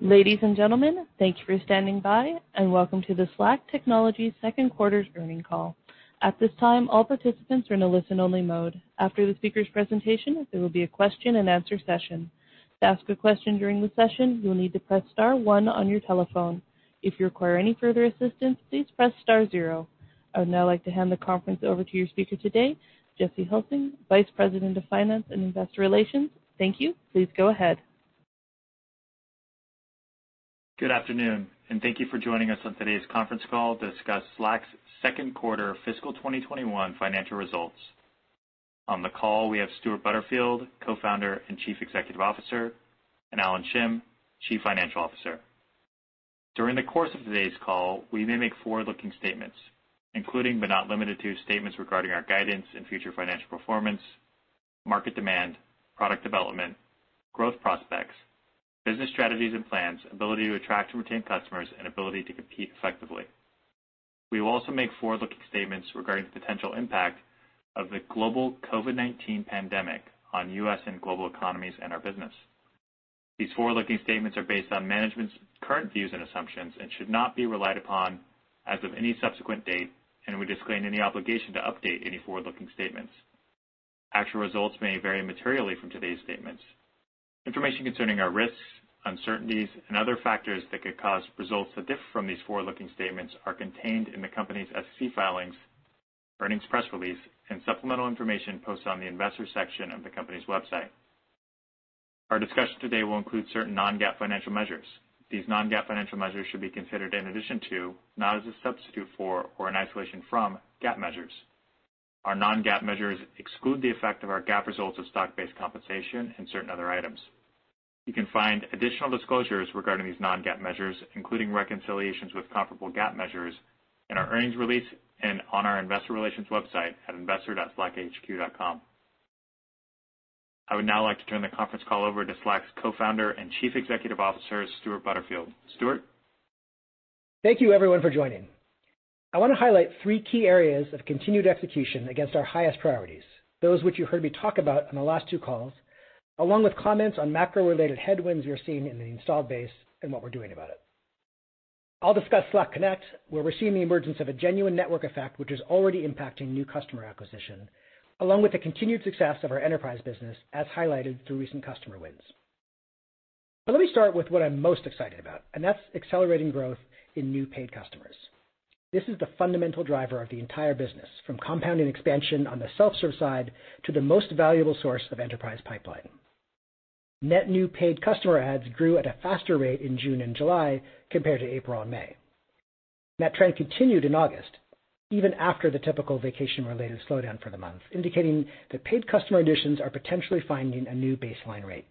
Ladies and gentlemen, thank you for standing by, and welcome to the Slack Technologies second quarter earnings call. I would now like to hand the conference over to your speaker today, Jesse Hulsing, Vice President of Finance and Investor Relations. Thank you. Please go ahead. Good afternoon, thank you for joining us on today's conference call to discuss Slack's second quarter fiscal 2021 financial results. On the call, we have Stewart Butterfield, Co-founder and Chief Executive Officer, and Allen Shim, Chief Financial Officer. During the course of today's call, we may make forward-looking statements, including, but not limited to, statements regarding our guidance and future financial performance, market demand, product development, growth prospects, business strategies and plans, ability to attract and retain customers, and ability to compete effectively. We will also make forward-looking statements regarding the potential impact of the global COVID-19 pandemic on U.S. and global economies and our business. These forward-looking statements are based on management's current views and assumptions and should not be relied upon as of any subsequent date, and we disclaim any obligation to update any forward-looking statements. Actual results may vary materially from today's statements. Information concerning our risks, uncertainties, and other factors that could cause results to differ from these forward-looking statements are contained in the company's SEC filings, earnings press release, and supplemental information posted on the investors section of the company's website. Our discussion today will include certain non-GAAP financial measures. These non-GAAP financial measures should be considered in addition to, not as a substitute for or in isolation from, GAAP measures. Our non-GAAP measures exclude the effect of our GAAP results of stock-based compensation and certain other items. You can find additional disclosures regarding these non-GAAP measures, including reconciliations with comparable GAAP measures, in our earnings release and on our investor relations website at investor.slackhq.com. I would now like to turn the conference call over to Slack's Co-founder and Chief Executive Officer, Stewart Butterfield. Stewart? Thank you everyone for joining. I want to highlight three key areas of continued execution against our highest priorities, those which you heard me talk about on the last two calls, along with comments on macro-related headwinds we are seeing in the installed base and what we're doing about it. I'll discuss Slack Connect, where we're seeing the emergence of a genuine network effect, which is already impacting new customer acquisition, along with the continued success of our enterprise business, as highlighted through recent customer wins. Let me start with what I'm most excited about, and that's accelerating growth in new paid customers. This is the fundamental driver of the entire business, from compounding expansion on the self-serve side to the most valuable source of enterprise pipeline. Net new paid customer adds grew at a faster rate in June and July compared to April and May. That trend continued in August, even after the typical vacation-related slowdown for the month, indicating that paid customer additions are potentially finding a new baseline rate.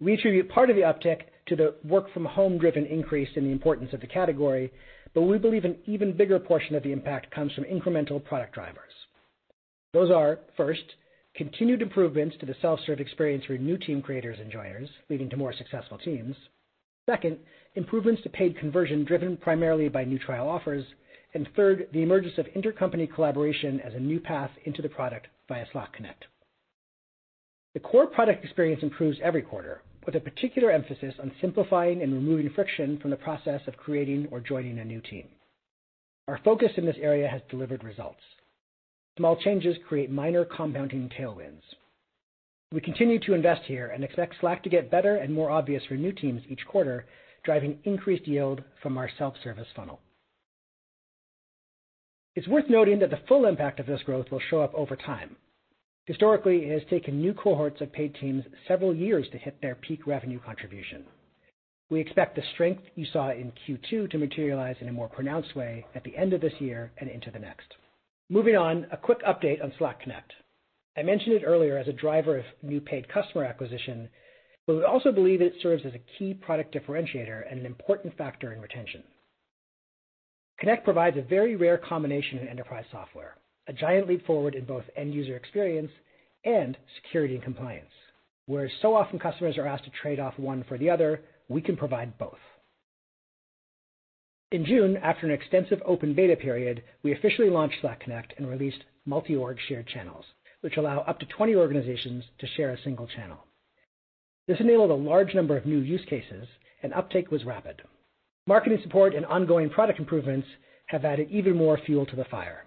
We attribute part of the uptick to the work from home driven increase in the importance of the category, but we believe an even bigger portion of the impact comes from incremental product drivers. Those are, first, continued improvements to the self-serve experience for new team creators and joiners, leading to more successful teams. Second, improvements to paid conversion driven primarily by new trial offers. Third, the emergence of intercompany collaboration as a new path into the product via Slack Connect. The core product experience improves every quarter, with a particular emphasis on simplifying and removing friction from the process of creating or joining a new team. Our focus in this area has delivered results. Small changes create minor compounding tailwinds. We continue to invest here and expect Slack to get better and more obvious for new teams each quarter, driving increased yield from our self-service funnel. It's worth noting that the full impact of this growth will show up over time. Historically, it has taken new cohorts of paid teams several years to hit their peak revenue contribution. We expect the strength you saw in Q2 to materialize in a more pronounced way at the end of this year and into the next. Moving on, a quick update on Slack Connect. I mentioned it earlier as a driver of new paid customer acquisition, but we also believe it serves as a key product differentiator and an important factor in retention. Connect provides a very rare combination in enterprise software, a giant leap forward in both end user experience and security and compliance. Where so often customers are asked to trade off one for the other, we can provide both. In June, after an extensive open beta period, we officially launched Slack Connect and released multi-org shared channels, which allow up to 20 organizations to share a single channel. This enabled a large number of new use cases, and uptake was rapid. Marketing support and ongoing product improvements have added even more fuel to the fire.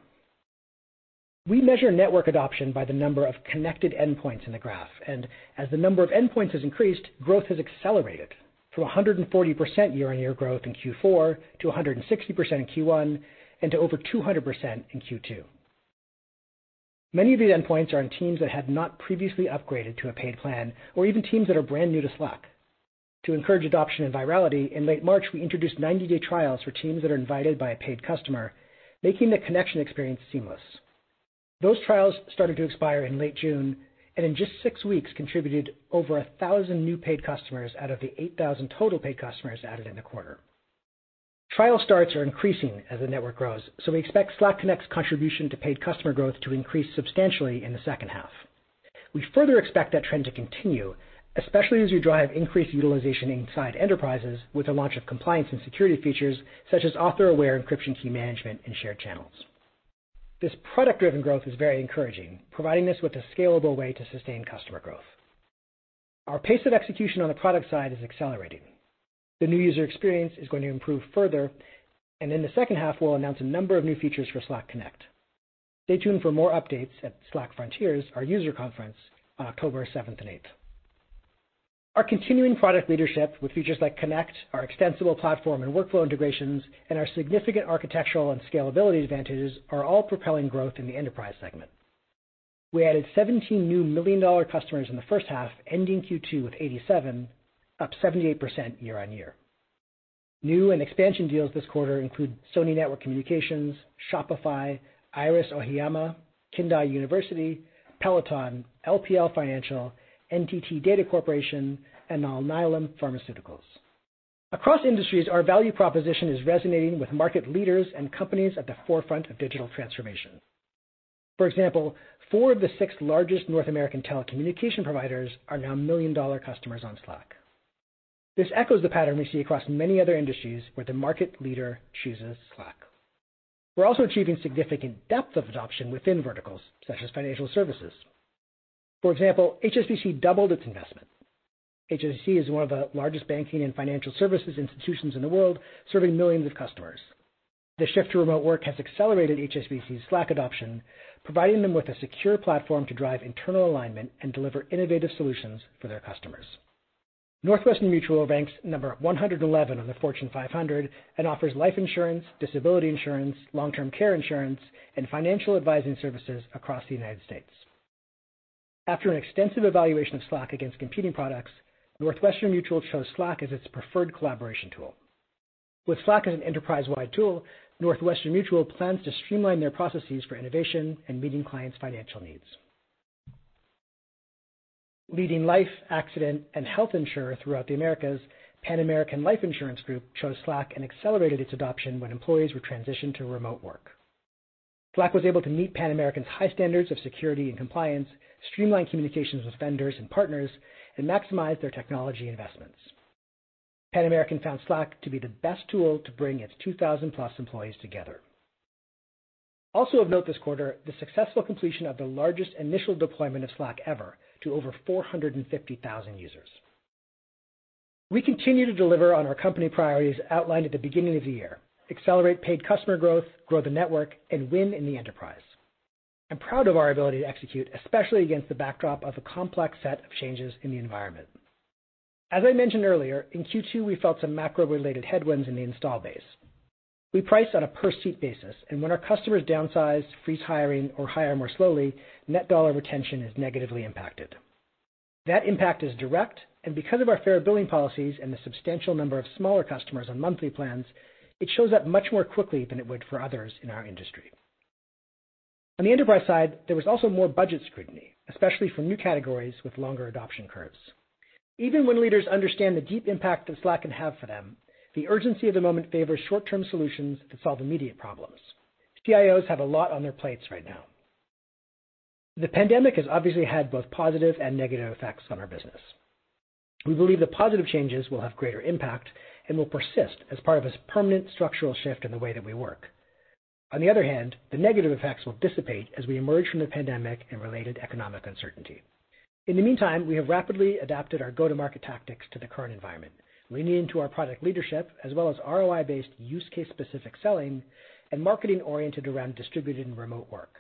We measure network adoption by the number of connected endpoints in the graph, and as the number of endpoints has increased, growth has accelerated. From 140% year-on-year growth in Q4 to 160% in Q1, and to over 200% in Q2. Many of the endpoints are on teams that had not previously upgraded to a paid plan, or even teams that are brand new to Slack. To encourage adoption and virality, in late March, we introduced 90-day trials for teams that are invited by a paid customer, making the connection experience seamless. Those trials started to expire in late June, and in just six weeks contributed over 1,000 new paid customers out of the 8,000 total paid customers added in the quarter. Trial starts are increasing as the network grows, so we expect Slack Connect's contribution to paid customer growth to increase substantially in the second half. We further expect that trend to continue, especially as we drive increased utilization inside enterprises with the launch of compliance and security features such as author aware Enterprise Key Management and shared channels. This product-driven growth is very encouraging, providing us with a scalable way to sustain customer growth. Our pace of execution on the product side is accelerating. The new user experience is going to improve further, and in the second half, we'll announce a number of new features for Slack Connect. Stay tuned for more updates at Slack Frontiers, our user conference, on October 7th and 8th. Our continuing product leadership with features like Connect, our extensible platform and workflow integrations, and our significant architectural and scalability advantages are all propelling growth in the enterprise segment. We added 17 new million-dollar customers in the first half, ending Q2 with 87, up 78% year-on-year. New and expansion deals this quarter include Sony Network Communications, Shopify, Iris Ohyama, Kindai University, Peloton, LPL Financial, NTT Data Corporation, and Alnylam Pharmaceuticals. Across industries, our value proposition is resonating with market leaders and companies at the forefront of digital transformation. For example, four of the six largest North American telecommunication providers are now million-dollar customers on Slack. This echoes the pattern we see across many other industries where the market leader chooses Slack. We're also achieving significant depth of adoption within verticals such as financial services. For example, HSBC doubled its investment. HSBC is one of the largest banking and financial services institutions in the world, serving millions of customers. The shift to remote work has accelerated HSBC's Slack adoption, providing them with a secure platform to drive internal alignment and deliver innovative solutions for their customers. Northwestern Mutual ranks number 111 on the Fortune 500 and offers life insurance, disability insurance, long-term care insurance, and financial advising services across the United States. After an extensive evaluation of Slack against competing products, Northwestern Mutual chose Slack as its preferred collaboration tool. With Slack as an enterprise-wide tool, Northwestern Mutual plans to streamline their processes for innovation and meeting clients' financial needs. Leading life, accident, and health insurer throughout the Americas, Pan-American Life Insurance Group, chose Slack and accelerated its adoption when employees were transitioned to remote work. Slack was able to meet Pan-American's high standards of security and compliance, streamline communications with vendors and partners, and maximize their technology investments. Pan-American found Slack to be the best tool to bring its 2,000-plus employees together. Also of note this quarter, the successful completion of the largest initial deployment of Slack ever to over 450,000 users. We continue to deliver on our company priorities outlined at the beginning of the year, accelerate paid customer growth, grow the network, and win in the enterprise. I'm proud of our ability to execute, especially against the backdrop of a complex set of changes in the environment. As I mentioned earlier, in Q2, we felt some macro-related headwinds in the install base. We price on a per-seat basis, and when our customers downsize, freeze hiring, or hire more slowly, net dollar retention is negatively impacted. That impact is direct, and because of our fair billing policies and the substantial number of smaller customers on monthly plans, it shows up much more quickly than it would for others in our industry. On the enterprise side, there was also more budget scrutiny, especially for new categories with longer adoption curves. Even when leaders understand the deep impact that Slack can have for them, the urgency of the moment favors short-term solutions that solve immediate problems. CIOs have a lot on their plates right now. The pandemic has obviously had both positive and negative effects on our business. We believe the positive changes will have greater impact and will persist as part of this permanent structural shift in the way that we work. On the other hand, the negative effects will dissipate as we emerge from the pandemic and related economic uncertainty. In the meantime, we have rapidly adapted our go-to-market tactics to the current environment, leaning into our product leadership as well as ROI-based use case-specific selling and marketing oriented around distributed and remote work.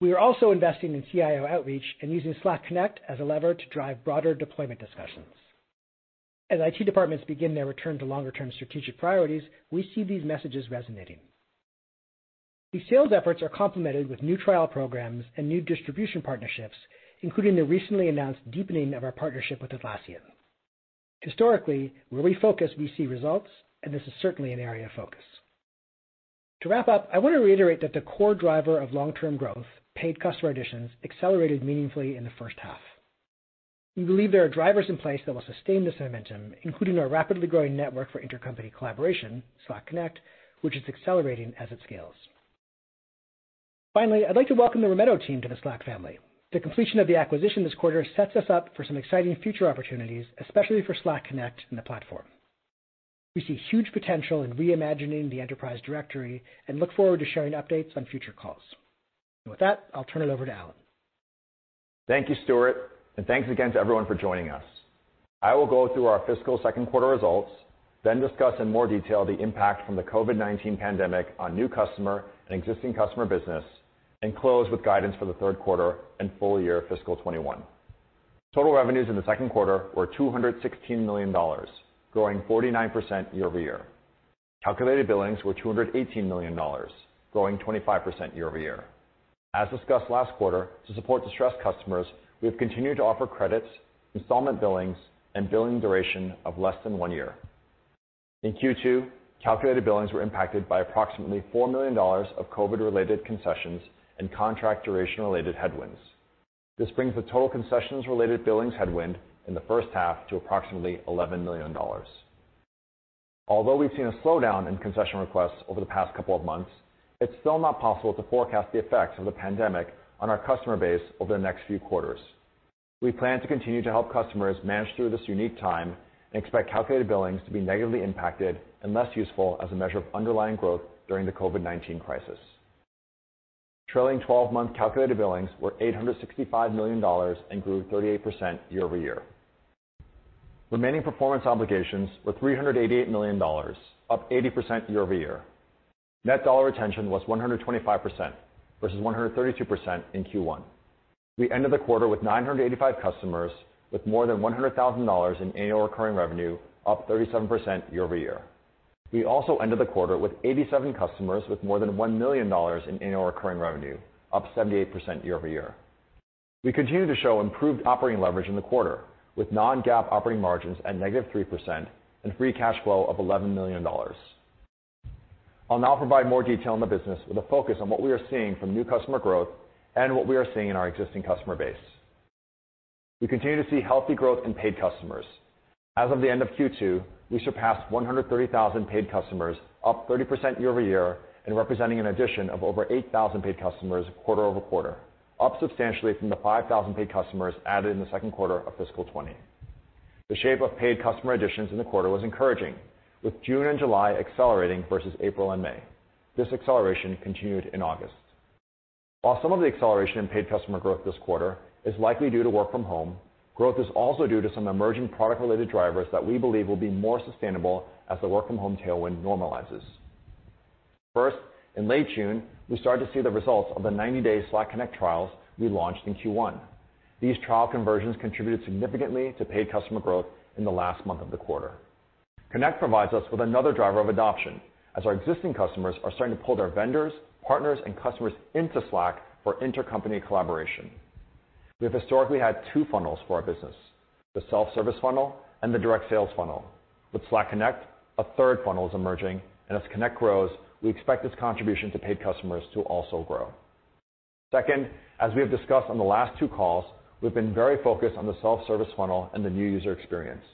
We are also investing in CIO outreach and using Slack Connect as a lever to drive broader deployment discussions. As IT departments begin their return to longer-term strategic priorities, we see these messages resonating. These sales efforts are complemented with new trial programs and new distribution partnerships, including the recently announced deepening of our partnership with Atlassian. Historically, where we focus, we see results, and this is certainly an area of focus. To wrap up, I want to reiterate that the core driver of long-term growth, paid customer additions, accelerated meaningfully in the first half. We believe there are drivers in place that will sustain this momentum, including our rapidly growing network for intercompany collaboration, Slack Connect, which is accelerating as it scales. Finally, I'd like to welcome the Rimeto team to the Slack family. The completion of the acquisition this quarter sets us up for some exciting future opportunities, especially for Slack Connect and the platform. We see huge potential in reimagining the enterprise directory and look forward to sharing updates on future calls. With that, I'll turn it over to Allen. Thank you, Stewart, and thanks again to everyone for joining us. I will go through our fiscal second quarter results, then discuss in more detail the impact from the COVID-19 pandemic on new customer and existing customer business, and close with guidance for the third quarter and full year fiscal 2021. Total revenues in the second quarter were $216 million, growing 49% year-over-year. Calculated billings were $218 million, growing 25% year-over-year. As discussed last quarter, to support distressed customers, we have continued to offer credits, installment billings, and billing duration of less than one year. In Q2, calculated billings were impacted by approximately $4 million of COVID-related concessions and contract duration-related headwinds. This brings the total concessions-related billings headwind in the first half to approximately $11 million. Although we've seen a slowdown in concession requests over the past couple of months, it's still not possible to forecast the effects of the pandemic on our customer base over the next few quarters. We plan to continue to help customers manage through this unique time and expect calculated billings to be negatively impacted and less useful as a measure of underlying growth during the COVID-19 crisis. Trailing 12-month calculated billings were $865 million and grew 38% year-over-year. Remaining performance obligations were $388 million, up 80% year-over-year. Net dollar retention was 125%, versus 132% in Q1. We ended the quarter with 985 customers with more than $100,000 in annual recurring revenue, up 37% year-over-year. We also ended the quarter with 87 customers with more than $1 million in annual recurring revenue, up 78% year-over-year. We continue to show improved operating leverage in the quarter, with non-GAAP operating margins at -3% and free cash flow of $11 million. I'll now provide more detail on the business with a focus on what we are seeing from new customer growth and what we are seeing in our existing customer base. We continue to see healthy growth in paid customers. As of the end of Q2, we surpassed 130,000 paid customers, up 30% year-over-year and representing an addition of over 8,000 paid customers quarter-over-quarter, up substantially from the 5,000 paid customers added in the second quarter of fiscal 2020. The shape of paid customer additions in the quarter was encouraging, with June and July accelerating versus April and May. This acceleration continued in August. While some of the acceleration in paid customer growth this quarter is likely due to work from home, growth is also due to some emerging product-related drivers that we believe will be more sustainable as the work from home tailwind normalizes. First, in late June, we started to see the results of the 90-day Slack Connect trials we launched in Q1. These trial conversions contributed significantly to paid customer growth in the last month of the quarter. Connect provides us with another driver of adoption as our existing customers are starting to pull their vendors, partners, and customers into Slack for intercompany collaboration. We have historically had two funnels for our business, the self-service funnel and the direct sales funnel. With Slack Connect, a third funnel is emerging, and as Connect grows, we expect its contribution to paid customers to also grow. Second, as we have discussed on the last two calls, we've been very focused on the self-service funnel and the new user experience.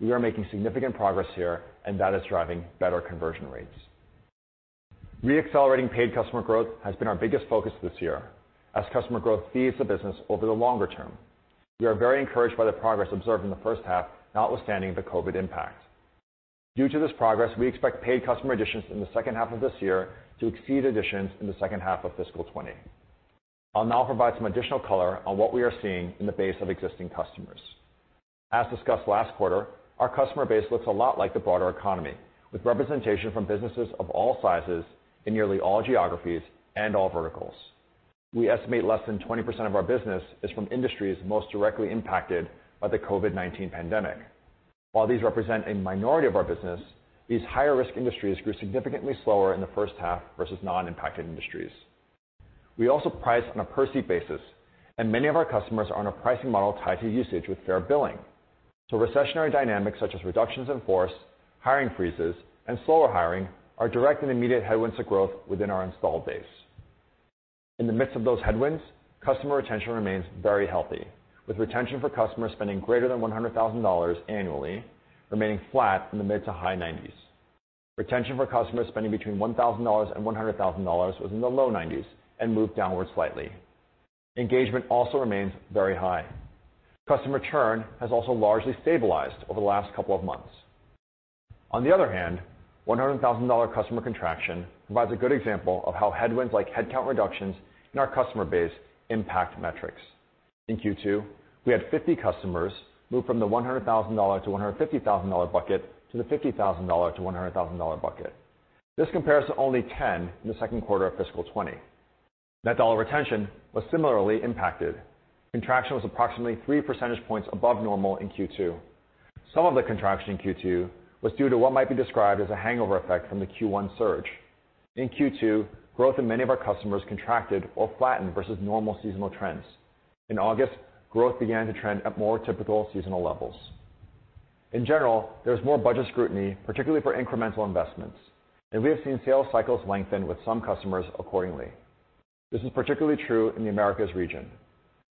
We are making significant progress here and that is driving better conversion rates. Re-accelerating paid customer growth has been our biggest focus this year as customer growth feeds the business over the longer term. We are very encouraged by the progress observed in the first half, notwithstanding the COVID impact. Due to this progress, we expect paid customer additions in the second half of this year to exceed additions in the second half of fiscal 2020. I'll now provide some additional color on what we are seeing in the base of existing customers. As discussed last quarter, our customer base looks a lot like the broader economy, with representation from businesses of all sizes in nearly all geographies and all verticals. We estimate less than 20% of our business is from industries most directly impacted by the COVID-19 pandemic. While these represent a minority of our business, these higher risk industries grew significantly slower in the first half versus non-impacted industries. Recessionary dynamics such as reductions in force, hiring freezes, and slower hiring are direct and immediate headwinds to growth within our installed base. In the midst of those headwinds, customer retention remains very healthy, with retention for customers spending greater than $100,000 annually remaining flat in the mid-to-high 90s. Retention for customers spending between $1,000 and $100,000 was in the low 90s and moved downwards slightly. Engagement also remains very high. Customer churn has also largely stabilized over the last couple of months. On the other hand, $100,000 customer contraction provides a good example of how headwinds like headcount reductions in our customer base impact metrics. In Q2, we had 50 customers move from the $100,000-$150,000 bucket to the $50,000-$100,000 bucket. This compares to only 10 in the second quarter of fiscal 2020. Net dollar retention was similarly impacted. Contraction was approximately three percentage points above normal in Q2. Some of the contraction in Q2 was due to what might be described as a hangover effect from the Q1 surge. In Q2, growth in many of our customers contracted or flattened versus normal seasonal trends. In August, growth began to trend at more typical seasonal levels. In general, there was more budget scrutiny, particularly for incremental investments, and we have seen sales cycles lengthen with some customers accordingly. This is particularly true in the Americas region.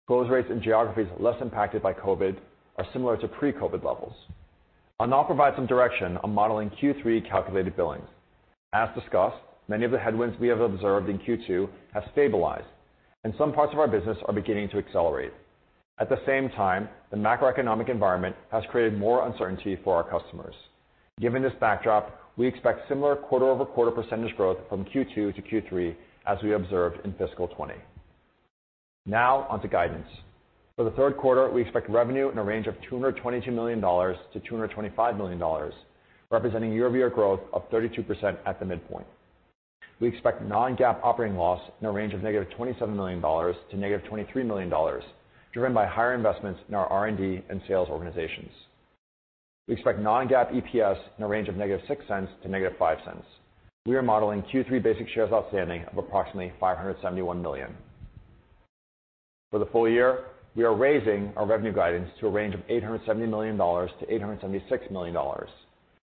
Close rates in geographies less impacted by COVID are similar to pre-COVID levels. I'll now provide some direction on modeling Q3 calculated billings. As discussed, many of the headwinds we have observed in Q2 have stabilized and some parts of our business are beginning to accelerate. At the same time, the macroeconomic environment has created more uncertainty for our customers. Given this backdrop, we expect similar quarter-over-quarter percentage growth from Q2 to Q3 as we observed in fiscal 2020. Now on to guidance. For the third quarter, we expect revenue in a range of $222 million-$225 million, representing year-over-year growth of 32% at the midpoint. We expect non-GAAP operating loss in a range of -$27 million to -$23 million, driven by higher investments in our R&D and sales organizations. We expect non-GAAP EPS in a range of -$0.06 to -$0.05. We are modeling Q3 basic shares outstanding of approximately 571 million. For the full year, we are raising our revenue guidance to a range of $870 million-$876 million,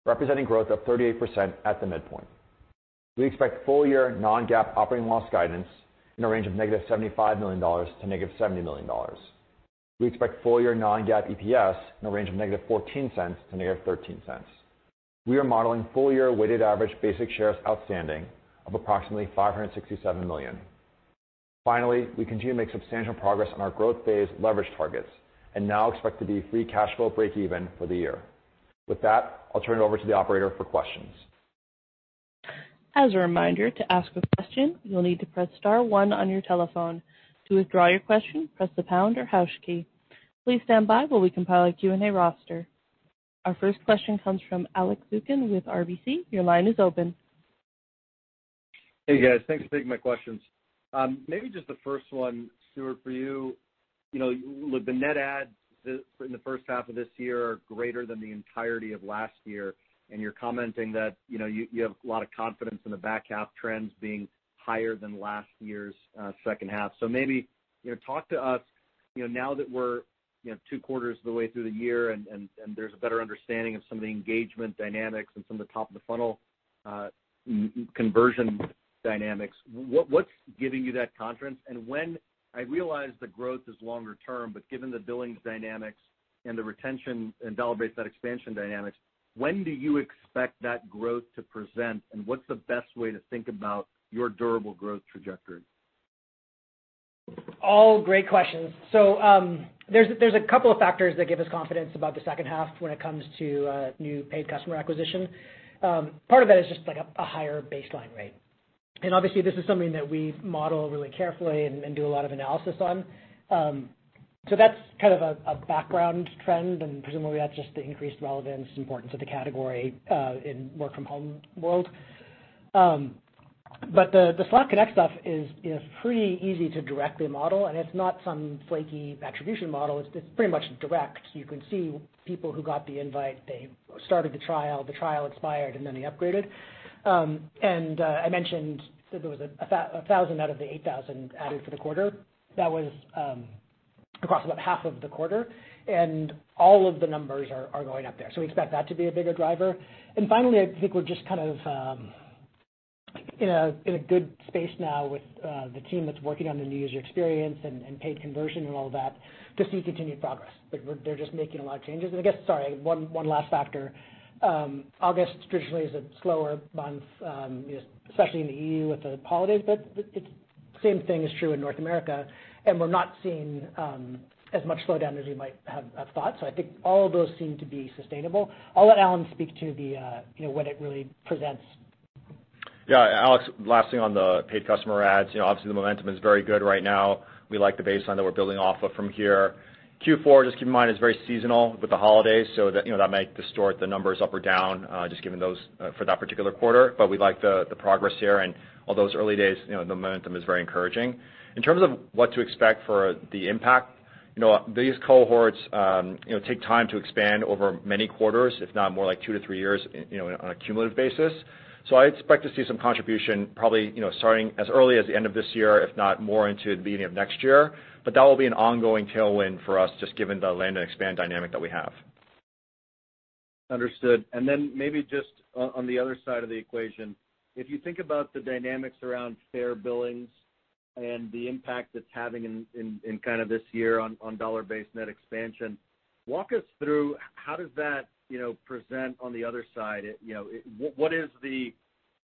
representing growth of 38% at the midpoint. We expect full year non-GAAP operating loss guidance in a range of -$75 million to -$70 million. We expect full year non-GAAP EPS in a range of -$0.14 to -$0.13. We are modeling full-year weighted average basic shares outstanding of approximately 567 million. We continue to make substantial progress on our growth phase leverage targets and now expect to be free cash flow breakeven for the year. With that, I'll turn it over to the operator for questions. As a reminder, to ask a question, you'll need to press star one on your telephone. To withdraw your question, press the pound or hash key. Please stand by while we compile a Q&A roster. Our first question comes from Alex Zukin with RBC. Your line is open. Hey, guys. Thanks for taking my questions. Maybe just the first one, Stewart, for you. With the net adds in the first half of this year are greater than the entirety of last year. You're commenting that you have a lot of confidence in the back half trends being higher than last year's second half. Maybe, talk to us, now that we're two quarters of the way through the year, and there's a better understanding of some of the engagement dynamics and some of the top of the funnel conversion dynamics, what's giving you that confidence? I realize the growth is longer term, but given the billings dynamics and the retention and dollar-based net expansion dynamics, when do you expect that growth to present, and what's the best way to think about your durable growth trajectory? All great questions. There's a couple of factors that give us confidence about the second half when it comes to new paid customer acquisition. Part of that is just like a higher baseline rate. Obviously, this is something that we model really carefully and do a lot of analysis on. That's kind of a background trend, and presumably that's just the increased relevance, importance of the category, in work-from-home world. The Slack Connect stuff is pretty easy to directly model, and it's not some flaky attribution model. It's pretty much direct. You can see people who got the invite, they started the trial, the trial expired, and then they upgraded. I mentioned there was 1,000 out of the 8,000 added for the quarter. That was across about half of the quarter, and all of the numbers are going up there. We expect that to be a bigger driver. Finally, I think we're just kind of in a good space now with the team that's working on the new user experience and paid conversion and all that to see continued progress. They're just making a lot of changes. I guess, sorry, one last factor. August traditionally is a slower month, especially in the EU with the holidays, same thing is true in North America, and we're not seeing as much slowdown as we might have thought. I think all of those seem to be sustainable. I'll let Allen speak to what it really presents. Yeah, Alex, last thing on the paid customer adds. Obviously, the momentum is very good right now. We like the baseline that we're building off of from here. Q4, just keep in mind, is very seasonal with the holidays, that might distort the numbers up or down, just given those for that particular quarter. We like the progress here. Although it's early days, the momentum is very encouraging. In terms of what to expect for the impact, these cohorts take time to expand over many quarters, if not more like two to three years on a cumulative basis. I expect to see some contribution probably starting as early as the end of this year, if not more into the beginning of next year. That will be an ongoing tailwind for us just given the land and expand dynamic that we have. Understood. Then maybe just on the other side of the equation, if you think about the dynamics around fair billings and the impact it's having in kind of this year on dollar-based net expansion, walk us through how does that present on the other side?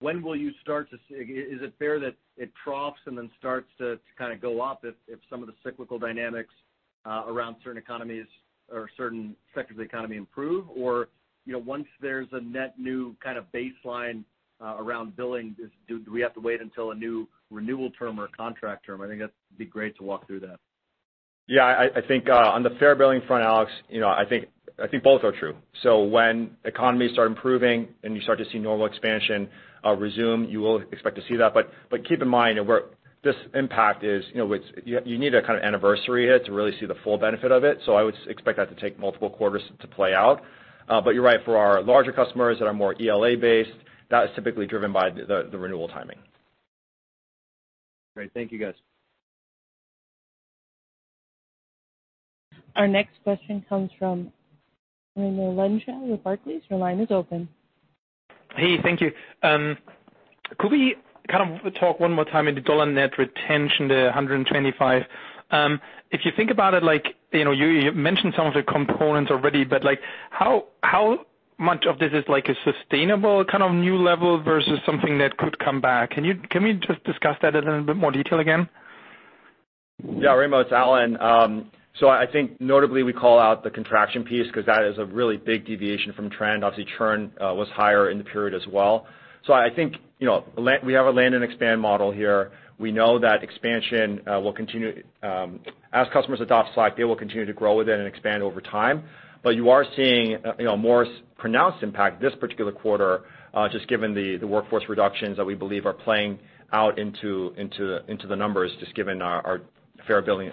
When will you start to see Is it fair that it troughs and then starts to kind of go up if some of the cyclical dynamics around certain economies or certain sectors of the economy improve? Or once there's a net new kind of baseline around billings, do we have to wait until a new renewal term or a contract term? I think that'd be great to walk through that. Yeah, I think on the fair billing front, Alex, I think both are true. When economies start improving and you start to see normal expansion resume, you will expect to see that. Keep in mind, this impact is, you need to kind of anniversary it to really see the full benefit of it. I would expect that to take multiple quarters to play out. You're right. For our larger customers that are more ELA based, that is typically driven by the renewal timing. Great. Thank you, guys. Our next question comes from Raimo Lenschow with Barclays. Your line is open. Hey, thank you. Could we kind of talk one more time in the dollar net retention, the 125? If you think about it, you mentioned some of the components already, how much of this is like a sustainable kind of new level versus something that could come back? Can we just discuss that in a little bit more detail again? Yeah, Raimo, it's Allen. I think notably we call out the contraction piece because that is a really big deviation from trend. Obviously, churn was higher in the period as well. I think we have a land and expand model here. We know that expansion will continue. As customers adopt Slack, they will continue to grow within and expand over time. You are seeing a more pronounced impact this particular quarter, just given the workforce reductions that we believe are playing out into the numbers, just given our fair billing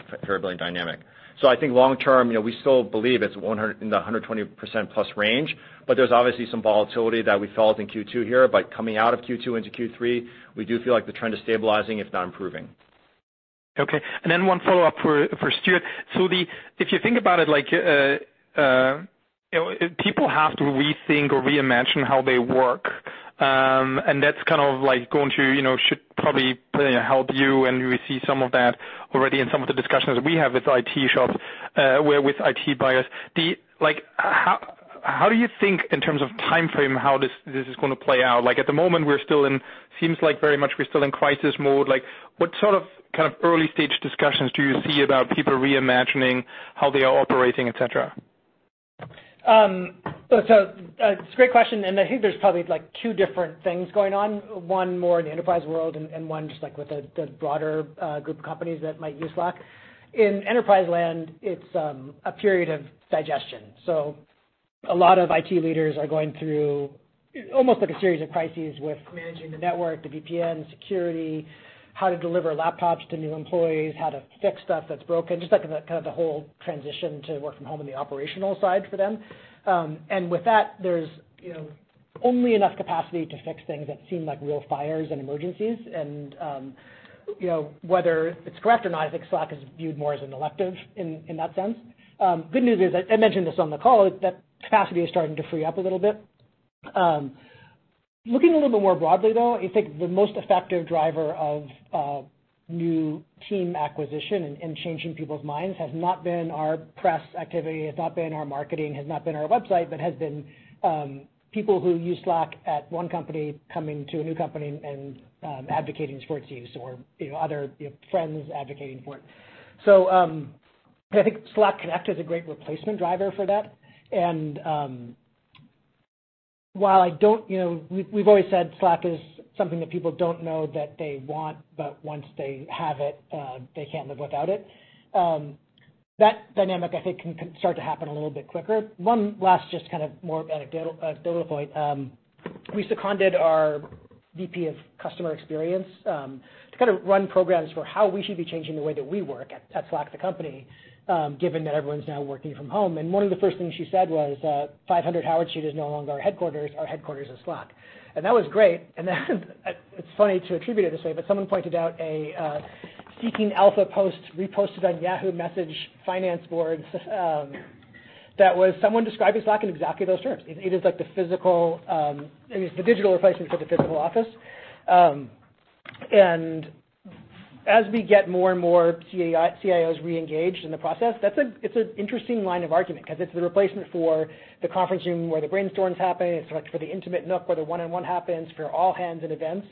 dynamic. I think long term, we still believe it's in the 120%+ range, but there's obviously some volatility that we felt in Q2 here. Coming out of Q2 into Q3, we do feel like the trend is stabilizing, if not improving. Okay. One follow-up for Stewart. If you think about it, people have to rethink or reimagine how they work. That's going to should probably help you, and we see some of that already in some of the discussions we have with IT shops, where with IT buyers. How do you think in terms of timeframe, how this is going to play out? At the moment, seems like very much we're still in crisis mode. What sort of early-stage discussions do you see about people reimagining how they are operating, et cetera? It's a great question, and I think there's probably two different things going on. One more in the enterprise world, and one just like with the broader group companies that might use Slack. In enterprise land, it's a period of digestion. A lot of IT leaders are going through almost like a series of crises with managing the network, the VPN, security, how to deliver laptops to new employees, how to fix stuff that's broken, just like kind of the whole transition to work from home and the operational side for them. With that, there's only enough capacity to fix things that seem like real fires and emergencies. Whether it's correct or not, I think Slack is viewed more as an elective in that sense. Good news is, I mentioned this on the call, that capacity is starting to free up a little bit. Looking a little bit more broadly, though, I think the most effective driver of new team acquisition and changing people's minds has not been our press activity, has not been our marketing, has not been our website, but has been people who use Slack at one company coming to a new company and advocating for its use or other friends advocating for it. I think Slack Connect is a great replacement driver for that. While We've always said Slack is something that people don't know that they want, but once they have it, they can't live without it. That dynamic, I think, can start to happen a little bit quicker. One last just kind of more anecdotal data point. We seconded our VP of Customer Experience to kind of run programs for how we should be changing the way that we work at Slack the company, given that everyone's now working from home. One of the first things she said was that 500 Howard Street is no longer our headquarters. Our headquarters is Slack. That was great. That it's funny to attribute it this way, but someone pointed out a Seeking Alpha post reposted on Yahoo message finance boards, that was someone described as Slack in exactly those terms. It is like the digital replacement for the physical office. As we get more and more CIOs reengaged in the process, it's an interesting line of argument because it's the replacement for the conference room where the brainstorms happen. It's like for the intimate nook where the one-on-one happens for all hands and events.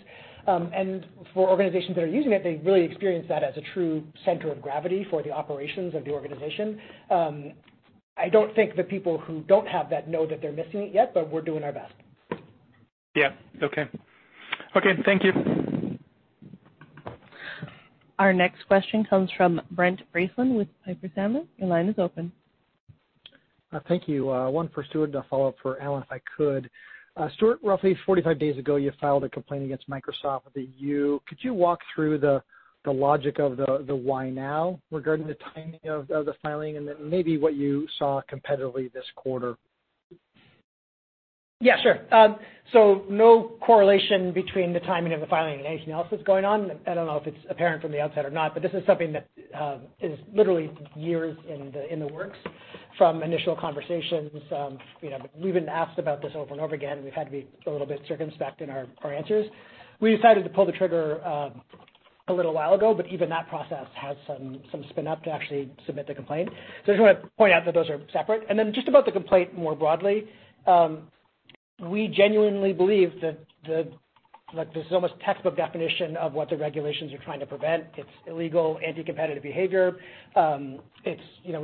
For organizations that are using it, they really experience that as a true center of gravity for the operations of the organization. I don't think the people who don't have that know that they're missing it yet, but we're doing our best. Yeah. Okay. Thank you. Our next question comes from Brent Bracelin with Piper Sandler. Your line is open. Thank you. One for Stewart and a follow-up for Allen, if I could. Stewart, roughly 45 days ago, you filed a complaint against Microsoft. Could you walk through the logic of the why now regarding the timing of the filing and then maybe what you saw competitively this quarter? Yeah, sure. No correlation between the timing of the filing and anything else that's going on. I don't know if it's apparent from the outside or not, but this is something that is literally years in the works from initial conversations. We've been asked about this over and over again, and we've had to be a little bit circumspect in our answers. We decided to pull the trigger a little while ago, but even that process has some spin-up to actually submit the complaint. I just want to point out that those are separate. Then just about the complaint more broadly, we genuinely believe that this is almost textbook definition of what the regulations are trying to prevent. It's illegal, anti-competitive behavior. We're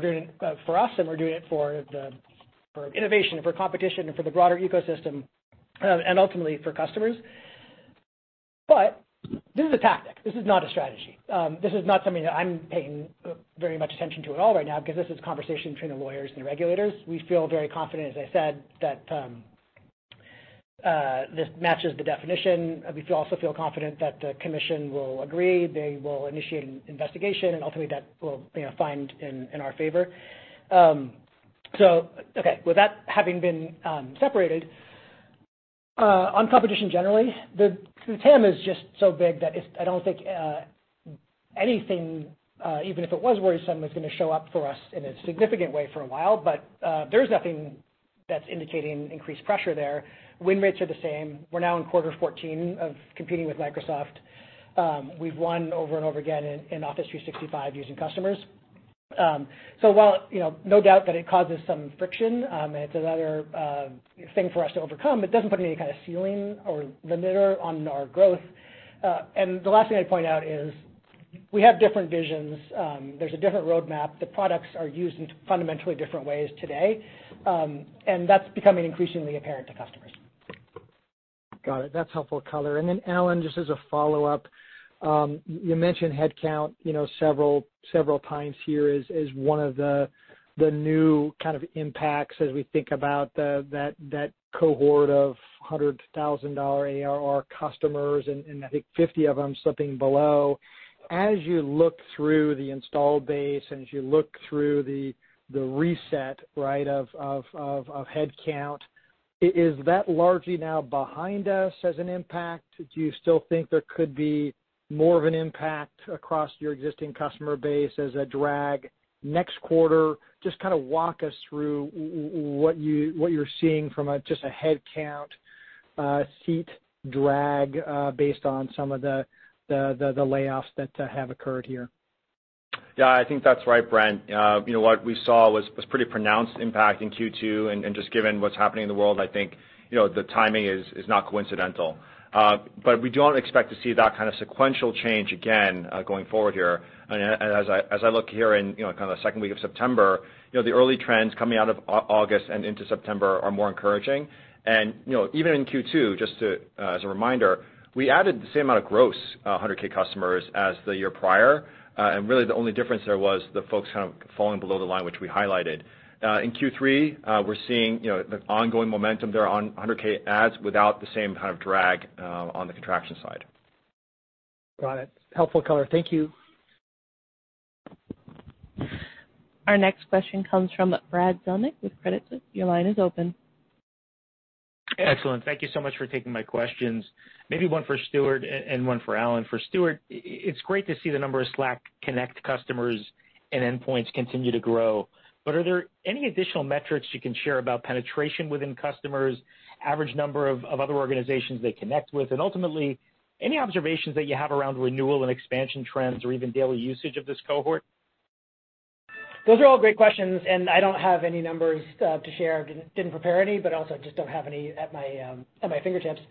doing it for us, and we're doing it for innovation, for competition, and for the broader ecosystem, and ultimately for customers. This is a tactic. This is not a strategy. This is not something that I'm paying very much attention to at all right now because this is a conversation between the lawyers and the regulators. We feel very confident, as I said, that this matches the definition. We also feel confident that the commission will agree, they will initiate an investigation, and ultimately that will find in our favor. Okay. With that having been separated, on competition generally, the TAM is just so big that I don't think anything even if it was worrisome, was going to show up for us in a significant way for a while. There's nothing that's indicating increased pressure there. Win rates are the same. We're now in quarter 14 of competing with Microsoft. We've won over and over again in Office 365 using customers. While no doubt that it causes some friction, it's another thing for us to overcome. It doesn't put any kind of ceiling or limiter on our growth. The last thing I'd point out is we have different visions. There's a different roadmap. The products are used in fundamentally different ways today, and that's becoming increasingly apparent to customers. Got it. That's helpful color. Then Allen, just as a follow-up. You mentioned headcount several times here as one of the new kind of impacts as we think about that cohort of $100,000 ARR customers and I think 50 of them slipping below. As you look through the install base and as you look through the reset of headcount, is that largely now behind us as an impact? Do you still think there could be more of an impact across your existing customer base as a drag next quarter? Walk us through what you're seeing from just a headcount Seat drag based on some of the layoffs that have occurred here. Yeah, I think that's right, Brent. What we saw was pretty pronounced impact in Q2, and just given what's happening in the world, I think, the timing is not coincidental. We don't expect to see that kind of sequential change again, going forward here. As I look here in kind of the second week of September, the early trends coming out of August and into September are more encouraging. Even in Q2, just as a reminder, we added the same amount of gross 100K customers as the year prior. Really the only difference there was the folks kind of falling below the line, which we highlighted. In Q3, we're seeing the ongoing momentum there on 100K adds without the same kind of drag on the contraction side. Got it. Helpful color. Thank you. Our next question comes from Brad Zelnick with Credit Suisse. Your line is open. Excellent. Thank you so much for taking my questions. Maybe one for Stewart and one for Allen. For Stewart, it's great to see the number of Slack Connect customers and endpoints continue to grow. Are there any additional metrics you can share about penetration within customers, average number of other organizations they connect with, and ultimately, any observations that you have around renewal and expansion trends or even daily usage of this cohort? Those are all great questions. I don't have any numbers to share. Didn't prepare any, also just don't have any at my fingertips.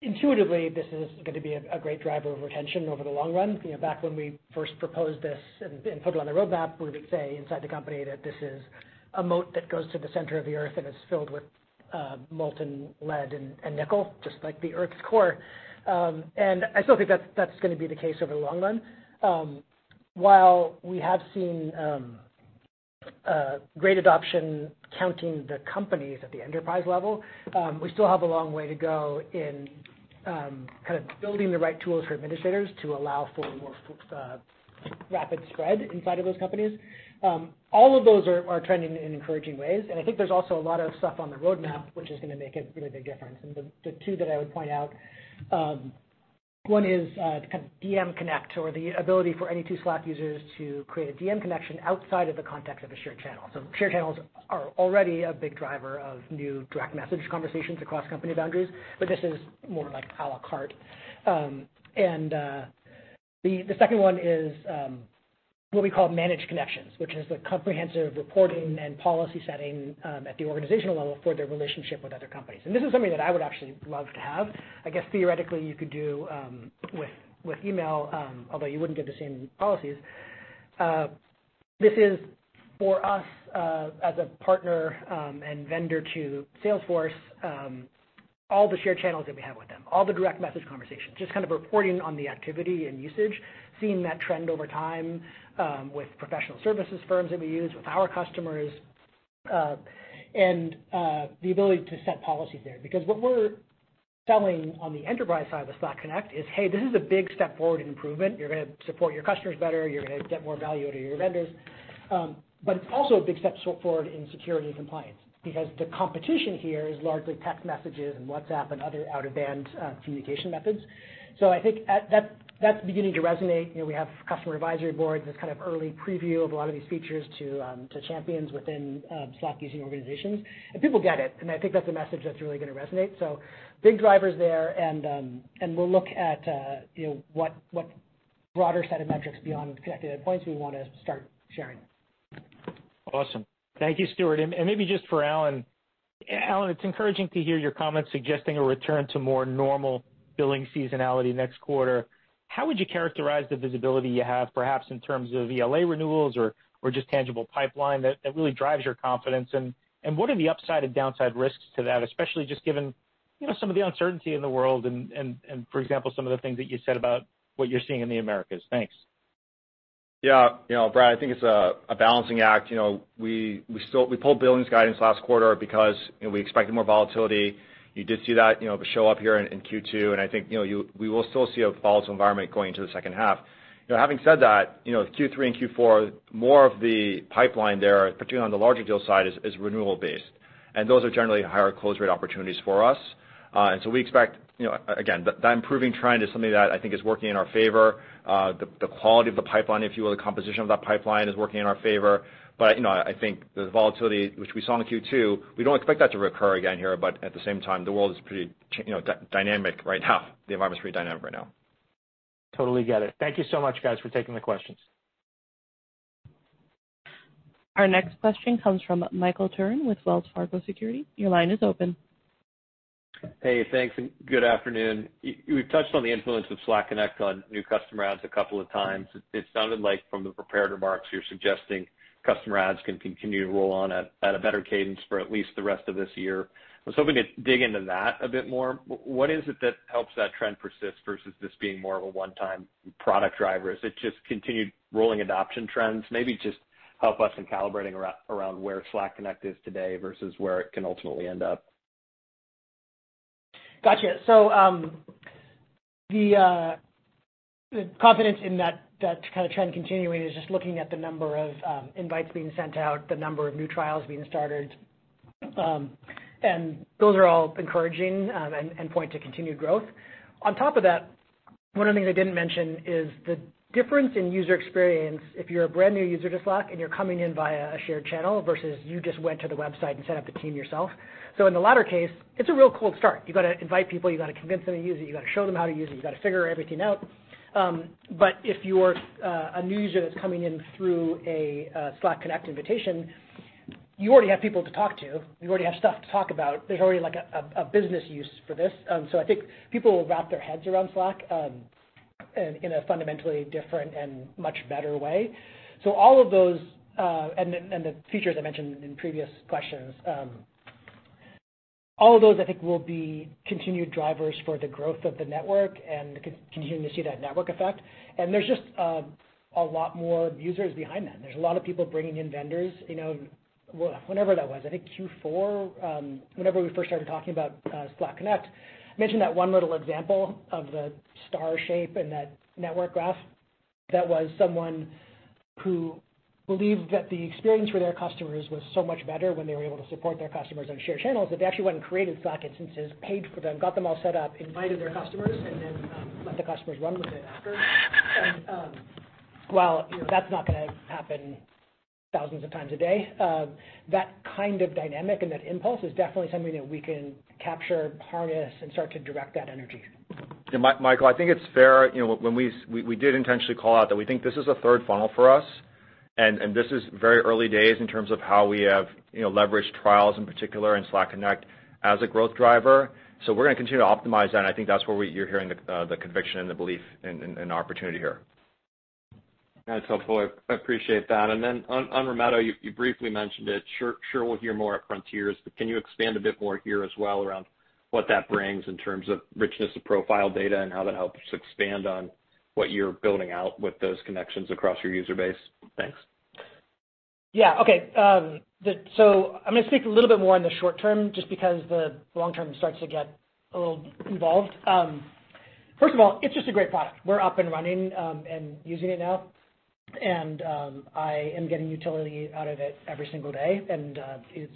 Intuitively, this is going to be a great driver of retention over the long run. Back when we first proposed this and put it on the roadmap, we would say inside the company that this is a moat that goes to the center of the earth and is filled with molten lead and nickel, just like the earth's core. I still think that's going to be the case over the long run. While we have seen great adoption counting the companies at the enterprise level, we still have a long way to go in kind of building the right tools for administrators to allow for more rapid spread inside of those companies. All of those are trending in encouraging ways, and I think there's also a lot of stuff on the roadmap which is going to make a really big difference. The two that I would point out, one is kind of DM Connect or the ability for any two Slack users to create a DM connection outside of the context of a shared channel. Shared channels are already a big driver of new direct message conversations across company boundaries, but this is more like à la carte. The second one is what we call Managed Connections, which is the comprehensive reporting and policy setting at the organizational level for their relationship with other companies. This is something that I would actually love to have. I guess theoretically, you could do with email, although you wouldn't get the same policies. This is for us as a partner and vendor to Salesforce, all the shared channels that we have with them, all the direct message conversations, just kind of reporting on the activity and usage, seeing that trend over time, with professional services firms that we use, with our customers, and the ability to set policy there. What we're selling on the enterprise side with Slack Connect is, hey, this is a big step forward in improvement. You're going to support your customers better, you're going to get more value out of your vendors. It's also a big step forward in security and compliance because the competition here is largely text messages and WhatsApp and other out-of-band communication methods. I think that's beginning to resonate. We have customer advisory boards, this kind of early preview of a lot of these features to champions within Slack-using organizations. People get it, and I think that's a message that's really going to resonate. Big drivers there and we'll look at what broader set of metrics beyond connected endpoints we want to start sharing. Awesome. Thank you, Stewart. Maybe just for Allen. Allen, it's encouraging to hear your comments suggesting a return to more normal billing seasonality next quarter. How would you characterize the visibility you have, perhaps in terms of ELA renewals or just tangible pipeline that really drives your confidence? What are the upside and downside risks to that, especially just given some of the uncertainty in the world and, for example, some of the things that you said about what you're seeing in the Americas. Thanks. Yeah. Brad, I think it's a balancing act. We pulled billings guidance last quarter because we expected more volatility. You did see that show up here in Q2, I think we will still see a volatile environment going into the second half. Having said that, Q3 and Q4, more of the pipeline there, particularly on the larger deal side, is renewal based. Those are generally higher close rate opportunities for us. We expect, again, that improving trend is something that I think is working in our favor. The quality of the pipeline, if you will, the composition of that pipeline is working in our favor. I think the volatility which we saw in the Q2, we don't expect that to recur again here, but at the same time, the world is pretty dynamic right now. The environment's pretty dynamic right now. Totally get it. Thank you so much, guys, for taking the questions. Our next question comes from Michael Turrin with Wells Fargo Securities. Your line is open. Hey, thanks, and good afternoon. You've touched on the influence of Slack Connect on new customer adds a couple of times. It sounded like from the prepared remarks, you're suggesting customer adds can continue to roll on at a better cadence for at least the rest of this year. I was hoping to dig into that a bit more. What is it that helps that trend persist versus this being more of a one-time product driver? Is it just continued rolling adoption trends? Maybe just help us in calibrating around where Slack Connect is today versus where it can ultimately end up. Gotcha. The confidence in that kind of trend continuing is just looking at the number of invites being sent out, the number of new trials being started. Those are all encouraging and point to continued growth. On top of that, one of the things I didn't mention is the difference in user experience if you're a brand new user to Slack and you're coming in via a shared channel versus you just went to the website and set up the team yourself. In the latter case, it's a real cold start. You've got to invite people, you've got to convince them to use it, you've got to show them how to use it, you've got to figure everything out. If you're a new user that's coming in through a Slack Connect invitation, you already have people to talk to, you already have stuff to talk about. There's already a business use for this. I think people will wrap their heads around Slack in a fundamentally different and much better way. All of those, and the features I mentioned in previous questions, all of those, I think, will be continued drivers for the growth of the network and continuing to see that network effect. There's just a lot more users behind that, and there's a lot of people bringing in vendors. Whenever that was, I think Q4, whenever we first started talking about Slack Connect, I mentioned that one little example of the star shape and that network graph. That was someone who believed that the experience for their customers was so much better when they were able to support their customers on shared channels that they actually went and created Slack instances, paid for them, got them all set up, invited their customers, and then let the customers run with it after. While that's not going to happen thousands of times a day, that kind of dynamic and that impulse is definitely something that we can capture, harness, and start to direct that energy. Michael, I think it's fair, we did intentionally call out that we think this is a third funnel for us, and this is very early days in terms of how we have leveraged trials, in particular in Slack Connect, as a growth driver. We're going to continue to optimize that, and I think that's where you're hearing the conviction and the belief in an opportunity here. That's helpful. I appreciate that. On Rimeto, you briefly mentioned it. Sure, we'll hear more at Frontiers, but can you expand a bit more here as well around what that brings in terms of richness of profile data and how that helps expand on what you're building out with those connections across your user base? Thanks. Yeah. Okay. I'm going to speak a little bit more in the short term, just because the long term starts to get a little involved. First of all, it's just a great product. We're up and running, and using it now. I am getting utility out of it every single day, and it's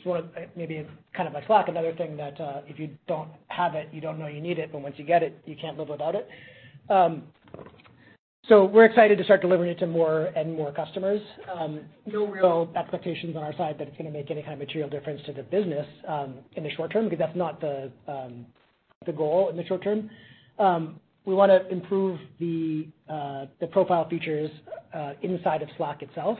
maybe kind of like Slack, another thing that if you don't have it, you don't know you need it, but once you get it, you can't live without it. We're excited to start delivering it to more and more customers. No real expectations on our side that it's going to make any kind of material difference to the business in the short term, because that's not the goal in the short term. We want to improve the profile features inside of Slack itself.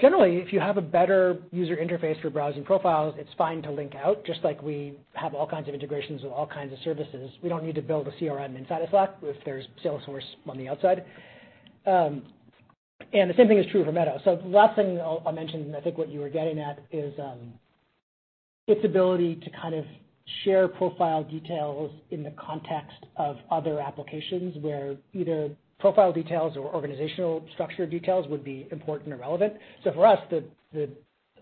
Generally, if you have a better user interface for browsing profiles, it's fine to link out, just like we have all kinds of integrations with all kinds of services. We don't need to build a CRM inside of Slack if there's Salesforce on the outside. The same thing is true of Rimeto. The last thing I'll mention, and I think what you were getting at, is its ability to kind of share profile details in the context of other applications where either profile details or organizational structure details would be important or relevant. For us, the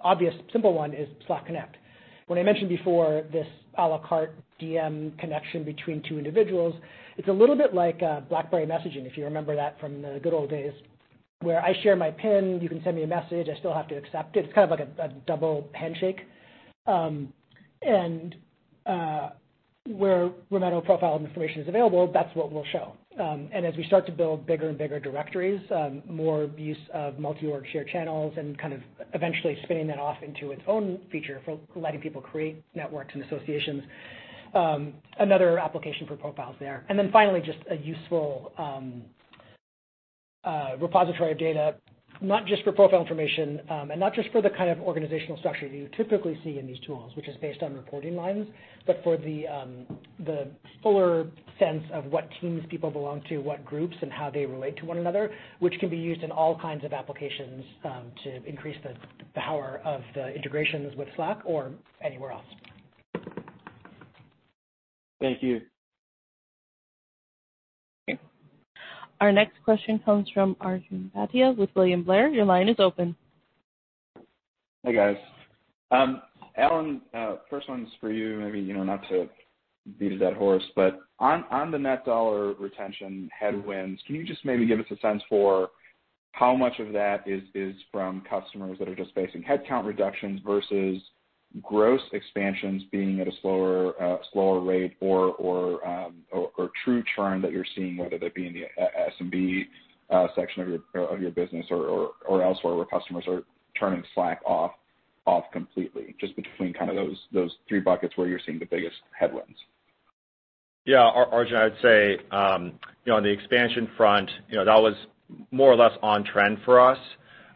obvious simple one is Slack Connect. When I mentioned before this a la carte DM connection between two individuals, it's a little bit like BlackBerry messaging, if you remember that from the good old days, where I share my PIN, you can send me a message, I still have to accept it. It's kind of like a double handshake. Where Rimeto profile information is available, that's what we'll show. As we start to build bigger and bigger directories, more use of multi-org shared channels and kind of eventually spinning that off into its own feature for letting people create networks and associations, another application for profiles there. Finally, just a useful repository of data, not just for profile information, and not just for the kind of organizational structure that you typically see in these tools, which is based on reporting lines, but for the fuller sense of what teams people belong to, what groups, and how they relate to one another, which can be used in all kinds of applications to increase the power of the integrations with Slack or anywhere else. Thank you. Okay. Our next question comes from Arjun Bhatia with William Blair. Your line is open. Hi, guys. Allen, first one's for you. Maybe not to beat a dead horse, but on the net dollar retention headwinds, can you just maybe give us a sense for how much of that is from customers that are just facing headcount reductions versus gross expansions being at a slower rate or true churn that you're seeing, whether that be in the SMB section of your business or elsewhere where customers are turning Slack off completely. Just between kind of those three buckets where you're seeing the biggest headwinds. Yeah. Arjun, I'd say, on the expansion front, that was more or less on trend for us.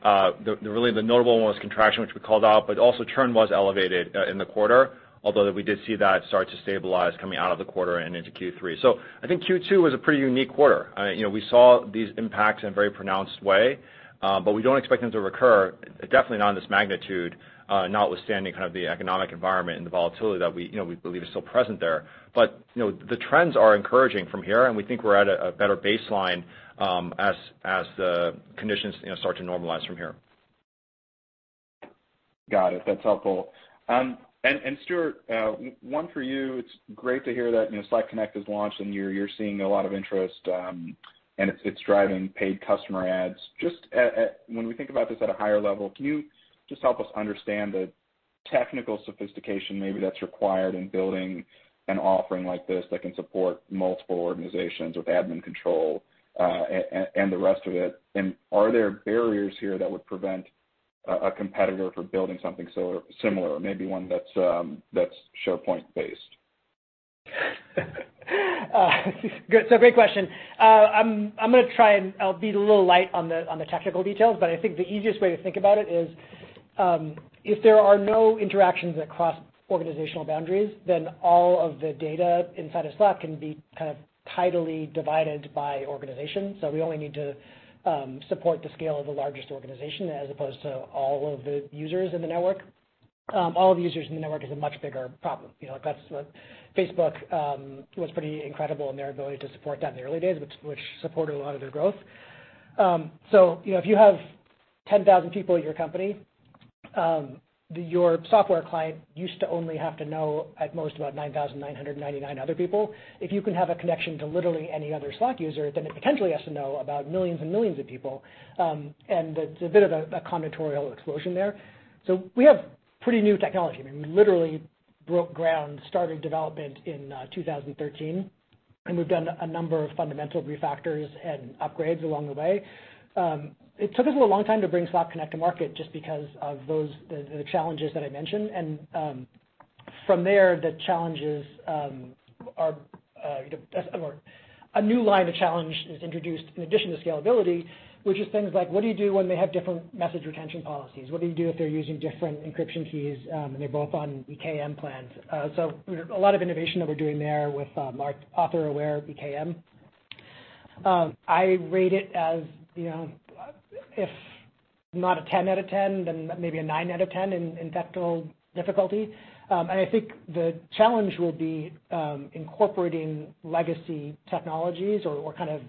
Really the notable one was contraction, which we called out, but also churn was elevated in the quarter, although that we did see that start to stabilize coming out of the quarter and into Q3. I think Q2 was a pretty unique quarter. We saw these impacts in a very pronounced way, but we don't expect them to recur, definitely not in this magnitude, notwithstanding kind of the economic environment and the volatility that we believe is still present there. The trends are encouraging from here, and we think we're at a better baseline as the conditions start to normalize from here. Got it. That's helpful. Stewart, one for you. It's great to hear that Slack Connect has launched and you're seeing a lot of interest. It's driving paid customer adds. Just when we think about this at a higher level, can you just help us understand the technical sophistication maybe that's required in building an offering like this that can support multiple organizations with admin control, and the rest of it? Are there barriers here that would prevent a competitor from building something similar? Maybe one that's SharePoint based. Great question. I'm going to try and I'll be a little light on the technical details, but I think the easiest way to think about it is, if there are no interactions across organizational boundaries, then all of the data inside of Slack can be kind of tightly divided by organization. We only need to support the scale of the largest organization as opposed to all of the users in the network. All of the users in the network is a much bigger problem. Facebook was pretty incredible in their ability to support that in the early days, which supported a lot of their growth. If you have 10,000 people at your company, your software client used to only have to know at most about 9,999 other people. If you can have a connection to literally any other Slack user, then it potentially has to know about millions and millions of people. It's a bit of a combinatorial explosion there. We have pretty new technology. I mean, we literally broke ground, started development in 2013, and we've done a number of fundamental refactors and upgrades along the way. It took us a long time to bring Slack Connect to market just because of the challenges that I mentioned. From there, a new line of challenge is introduced in addition to scalability, which is things like, what do you do when they have different message retention policies? What do you do if they're using different encryption keys, and they're both on EKM plans? A lot of innovation that we're doing there with author-aware EKM. I rate it as, if not a 10 out of 10, then maybe a nine out of 10 in technical difficulty. I think the challenge will be incorporating legacy technologies or kind of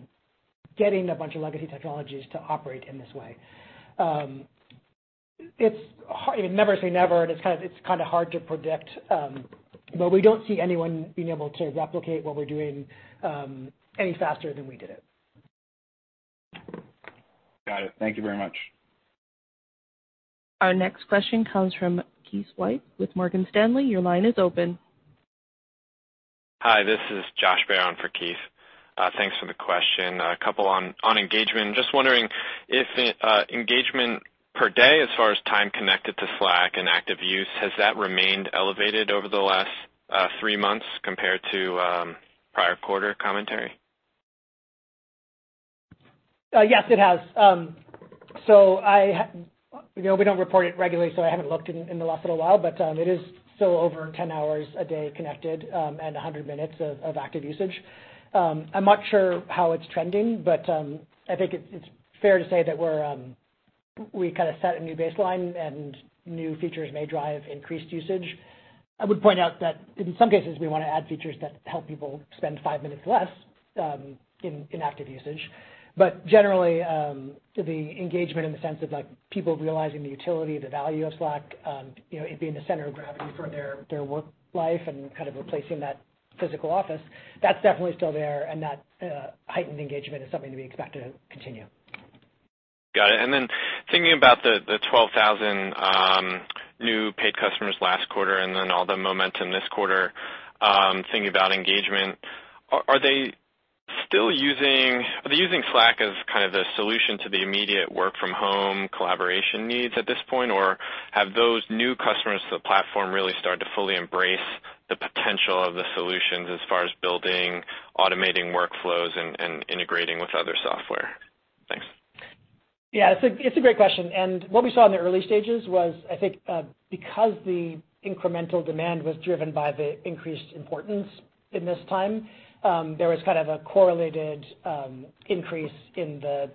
getting a bunch of legacy technologies to operate in this way. Never say never, and it's kind of hard to predict, but we don't see anyone being able to replicate what we're doing, any faster than we did it. Got it. Thank you very much. Our next question comes from Keith Weiss with Morgan Stanley. Your line is open. Hi, this is Josh Baer for Keith. Thanks for the question. A couple on engagement. Just wondering if engagement per day as far as time connected to Slack and active use, has that remained elevated over the last three months compared to prior quarter commentary? Yes, it has. We don't report it regularly, so I haven't looked in the last little while, but, it is still over 10 hours a day connected, and 100 minutes of active usage. I'm not sure how it's trending, but, I think it's fair to say that we set a new baseline and new features may drive increased usage. Generally, the engagement in the sense of people realizing the utility, the value of Slack, it being the center of gravity for their work life and kind of replacing that physical office, that's definitely still there, and that heightened engagement is something that we expect to continue. Got it. Thinking about the 12,000 new paid customers last quarter and then all the momentum this quarter, thinking about engagement, are they using Slack as kind of the solution to the immediate work from home collaboration needs at this point, or have those new customers to the platform really started to fully embrace the potential of the solutions as far as building, automating workflows and integrating with other software? Thanks. Yeah. It's a great question. What we saw in the early stages was, I think, because the incremental demand was driven by the increased importance in this time, there was kind of a correlated increase in the,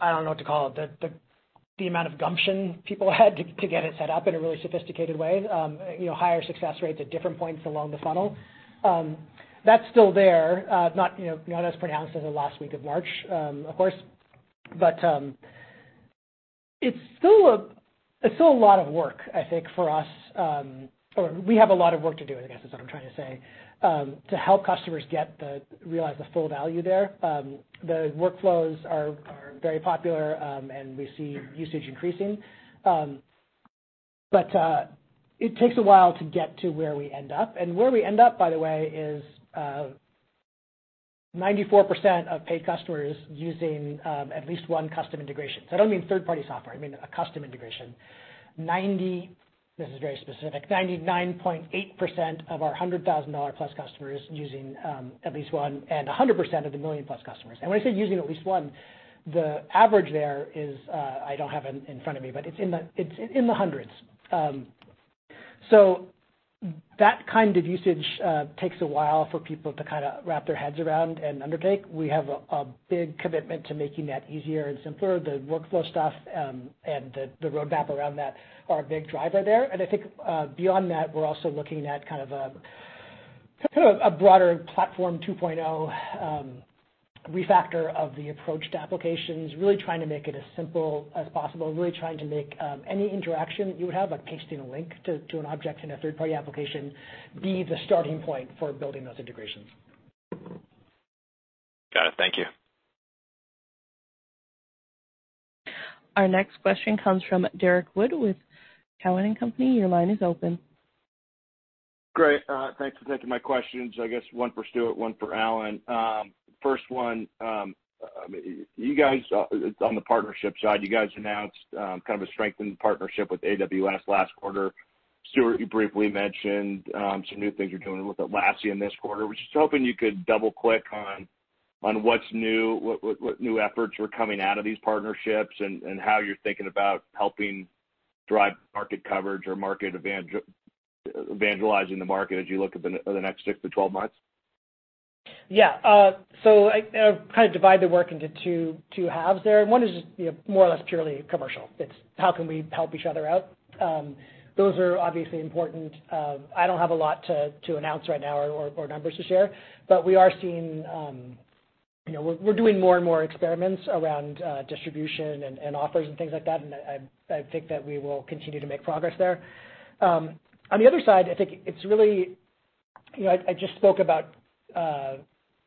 I don't know what to call it, the amount of gumption people had to get it set up in a really sophisticated way. Higher success rates at different points along the funnel. That's still there. Not as pronounced as the last week of March, of course. It's still a lot of work, I think, for us. We have a lot of work to do, I guess, is what I'm trying to say, to help customers realize the full value there. The workflows are very popular, and we see usage increasing. It takes a while to get to where we end up. Where we end up, by the way, is 94% of paid customers using at least one custom integration. I don't mean third-party software, I mean a custom integration. 99.8% of our $100,000-plus customers using at least one, and 100% of the million-plus customers. When I say using at least one, the average there is, I don't have it in front of me, but it's in the hundreds. That kind of usage takes a while for people to wrap their heads around and undertake. We have a big commitment to making that easier and simpler. The workflow stuff, and the roadmap around that are a big driver there. I think, beyond that, we're also looking at kind of a broader platform 2.0 refactor of the approach to applications, really trying to make it as simple as possible, really trying to make any interaction that you would have, like pasting a link to an object in a third-party application, be the starting point for building those integrations. Got it. Thank you. Our next question comes from Derrick Wood with Cowen and Company. Your line is open. Great. Thanks for taking my questions. I guess one for Stewart, one for Allen. First one, on the partnership side, you guys announced kind of a strengthened partnership with AWS last quarter. Stewart, you briefly mentioned some new things you're doing with Atlassian this quarter. Was just hoping you could double-click on what's new, what new efforts were coming out of these partnerships and how you're thinking about helping drive market coverage or evangelizing the market as you look at the next six to 12 months. Yeah. I kind of divide the work into two halves there. One is just more or less purely commercial. It's how can we help each other out? Those are obviously important. I don't have a lot to announce right now or numbers to share, but we're doing more and more experiments around distribution and offers and things like that, and I think that we will continue to make progress there. On the other side, I just spoke about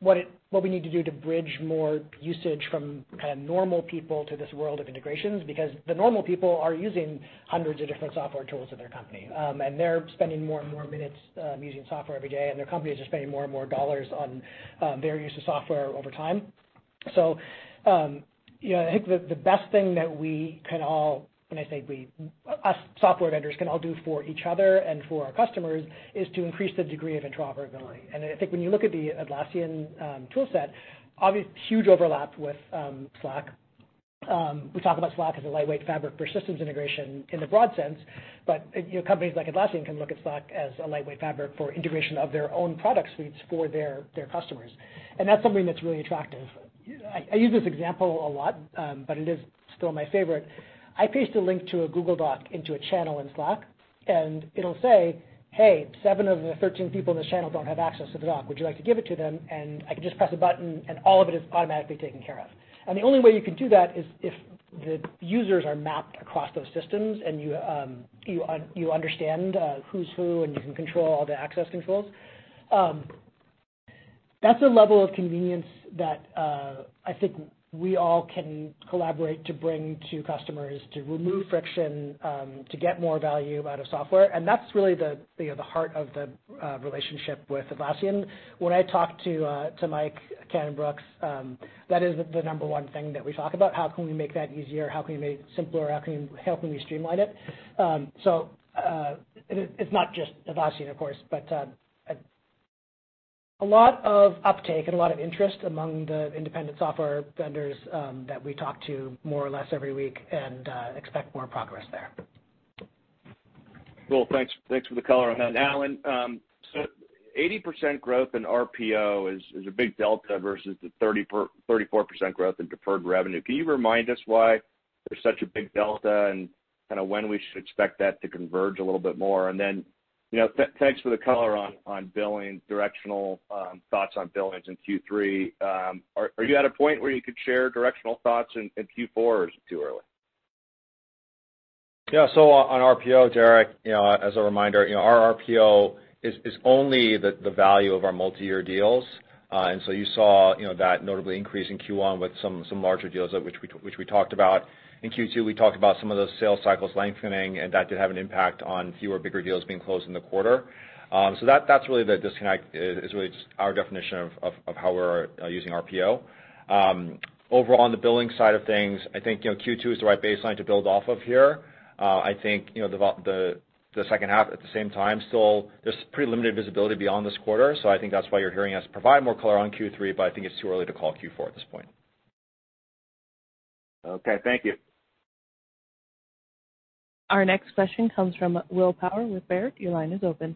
what we need to do to bridge more usage from kind of normal people to this world of integrations. The normal people are using hundreds of different software tools at their company. They're spending more and more minutes using software every day, and their companies are spending more and more dollars on their use of software over time. I think the best thing that us software vendors can all do for each other and for our customers is to increase the degree of interoperability. I think when you look at the Atlassian tool set, obvious huge overlap with Slack. We talk about Slack as a lightweight fabric for systems integration in the broad sense, but companies like Atlassian can look at Slack as a lightweight fabric for integration of their own product suites for their customers. That's something that's really attractive. I use this example a lot, but it is still my favorite. I paste a link to a Google Doc into a channel in Slack, and it'll say, "Hey, seven of the 13 people in this channel don't have access to the doc. Would you like to give it to them?" I can just press a button, and all of it is automatically taken care of. The only way you can do that is if the users are mapped across those systems, and you understand who's who, and you can control all the access controls. That's a level of convenience that I think we all can collaborate to bring to customers to remove friction, to get more value out of software. That's really the heart of the relationship with Atlassian. When I talk to Mike Cannon-Brookes, that is the number one thing that we talk about. How can we make that easier? How can we make it simpler? How can we streamline it? It's not just Atlassian, of course, but a lot of uptake and a lot of interest among the independent software vendors that we talk to more or less every week and expect more progress there. Cool. Thanks for the color on that. Allen, 80% growth in RPO is a big delta versus the 34% growth in deferred revenue. Can you remind us why there's such a big delta, and kind of when we should expect that to converge a little bit more? Thanks for the color on billing, directional thoughts on billings in Q3. Are you at a point where you could share directional thoughts in Q4, or is it too early? Yeah. On RPO, Derrick, as a reminder, our RPO is only the value of our multi-year deals. You saw that notably increase in Q1 with some larger deals which we talked about. In Q2, we talked about some of those sales cycles lengthening, and that did have an impact on fewer bigger deals being closed in the quarter. That's really the disconnect, is really just our definition of how we're using RPO. Overall, on the billing side of things, I think, Q2 is the right baseline to build off of here. I think, the second half at the same time still, there's pretty limited visibility beyond this quarter. I think that's why you're hearing us provide more color on Q3, but I think it's too early to call Q4 at this point. Okay. Thank you. Our next question comes from Will Power with Baird. Your line is open.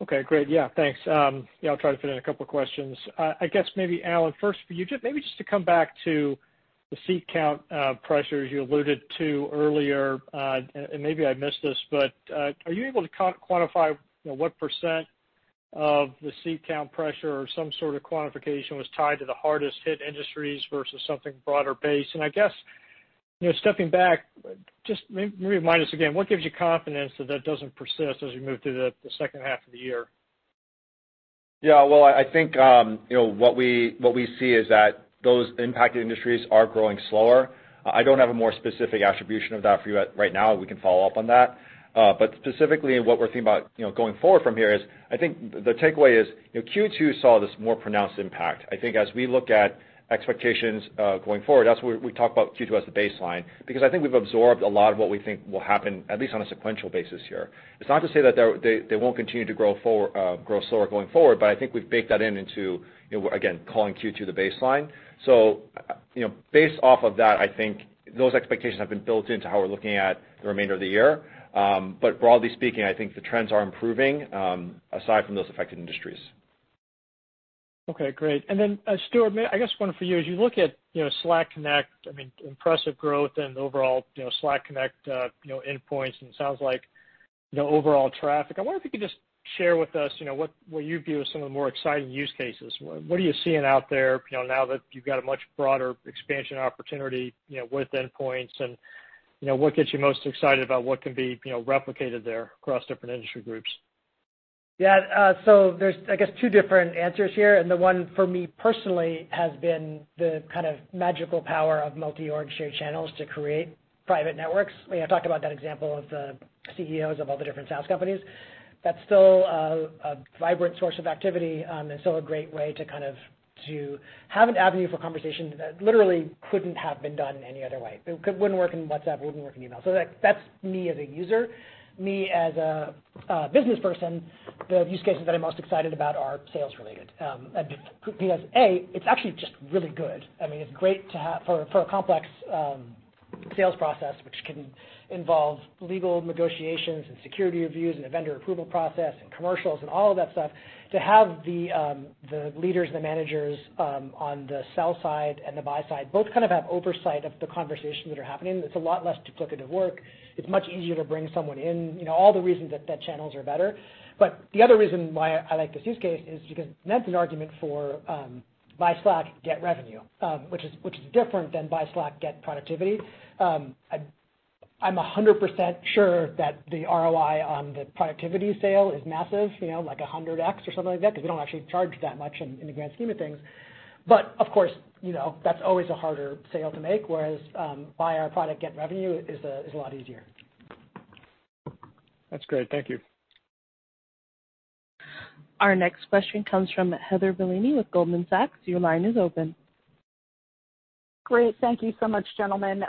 Okay, great. Yeah, thanks. Yeah, I'll try to fit in a couple of questions. I guess maybe, Allen, first for you, maybe just to come back to the seat count pressures you alluded to earlier. Maybe I missed this, but are you able to quantify what % of the seat count pressure or some sort of quantification was tied to the hardest-hit industries versus something broader base? I guess, stepping back, just maybe remind us again, what gives you confidence that that doesn't persist as we move through the second half of the year? Yeah. Well, I think, what we see is that those impacted industries are growing slower. I don't have a more specific attribution of that for you right now. We can follow up on that. Specifically, what we're thinking about going forward from here is, I think the takeaway is Q2 saw this more pronounced impact. I think as we look at expectations going forward, that's why we talk about Q2 as the baseline, because I think we've absorbed a lot of what we think will happen, at least on a sequential basis here. It's not to say that they won't continue to grow slower going forward, but I think we've baked that in into, again, calling Q2 the baseline. Based off of that, I think those expectations have been built into how we're looking at the remainder of the year. Broadly speaking, I think the trends are improving aside from those affected industries. Okay, great. Then, Stewart, I guess one for you, as you look at Slack Connect, impressive growth and overall Slack Connect endpoints, and it sounds like overall traffic. I wonder if you could just share with us what you view as some of the more exciting use cases. What are you seeing out there now that you've got a much broader expansion opportunity with endpoints, and what gets you most excited about what can be replicated there across different industry groups? Yeah. There's, I guess, two different answers here, and the one for me personally has been the kind of magical power of multi-org shared channels to create private networks. I talked about that example of the CEOs of all the different sales companies. That's still a vibrant source of activity and still a great way to kind of have an avenue for conversation that literally couldn't have been done any other way. It wouldn't work in WhatsApp, it wouldn't work in email. That's me as a user. Me as a business person, the use cases that I'm most excited about are sales related. Because, A, it's actually just really good. It's great to have for a complex sales process, which can involve legal negotiations and security reviews, and a vendor approval process, and commercials and all of that stuff, to have the leaders and the managers on the sell side and the buy side both kind of have oversight of the conversations that are happening. It's a lot less duplicative work. It's much easier to bring someone in, all the reasons that channels are better. The other reason why I like this use case is because that's an argument for buy Slack, get revenue, which is different than buy Slack, get productivity. I'm 100% sure that the ROI on the productivity sale is massive, like 100x or something like that because we don't actually charge that much in the grand scheme of things. Of course, that's always a harder sale to make, whereas buy our product, get revenue is a lot easier. That's great. Thank you. Our next question comes from Heather Bellini with Goldman Sachs. Your line is open. Great. Thank you so much, gentlemen.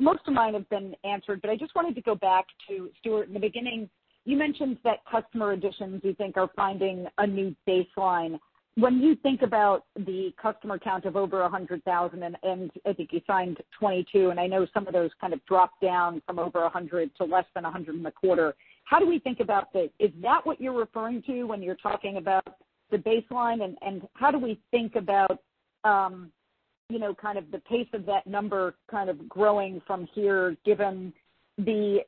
Most of mine have been answered, but I just wanted to go back to Stewart. In the beginning, you mentioned that customer additions you think are finding a new baseline. When you think about the customer count of over 100,000, and I think you signed 22, and I know some of those kind of dropped down from over 100 to less than 100 in the quarter. How do we think about this? Is that what you're referring to when you're talking about the baseline, and how do we think about the pace of that number kind of growing from here, given the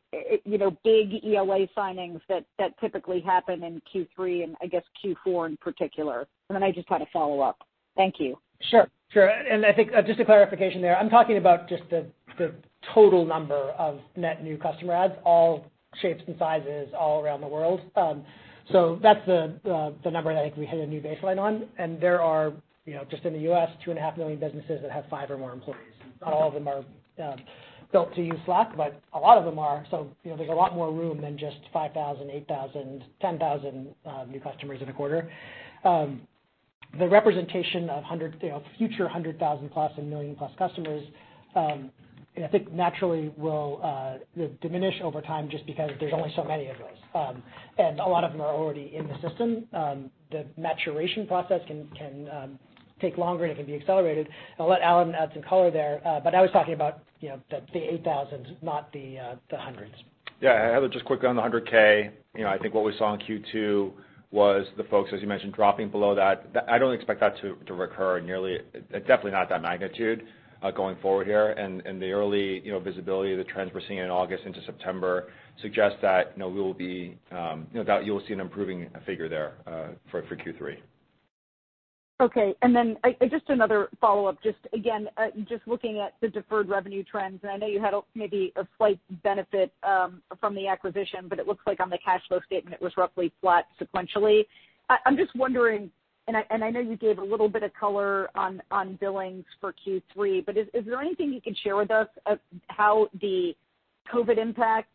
big ELA signings that typically happen in Q3 and I guess Q4 in particular? Then I just had a follow-up. Thank you. Sure. I think just a clarification there. I'm talking about just the total number of net new customer adds, all shapes and sizes, all around the world. That's the number that I think we hit a new baseline on. There are, just in the U.S., 2.5 million businesses that have five or more employees. Not all of them are built to use Slack, but a lot of them are. There's a lot more room than just 5,000, 8,000, 10,000 new customers in a quarter. The representation of future 100,000 plus and million plus customers, I think naturally will diminish over time just because there's only so many of those. A lot of them are already in the system. The maturation process can take longer, and it can be accelerated. I'll let Allen add some color there. I was talking about the 8,000, not the hundreds. Heather, just quickly on the 100K. I think what we saw in Q2 was the folks, as you mentioned, dropping below that. I don't expect that to recur, and definitely not at that magnitude going forward here. The early visibility of the trends we're seeing in August into September suggest that you'll see an improving figure there for Q3. Okay. Just another follow-up. Just again, just looking at the deferred revenue trends, and I know you had maybe a slight benefit from the acquisition, but it looks like on the cash flow statement, it was roughly flat sequentially. I'm just wondering, and I know you gave a little bit of color on billings for Q3, but is there anything you can share with us of how the COVID impact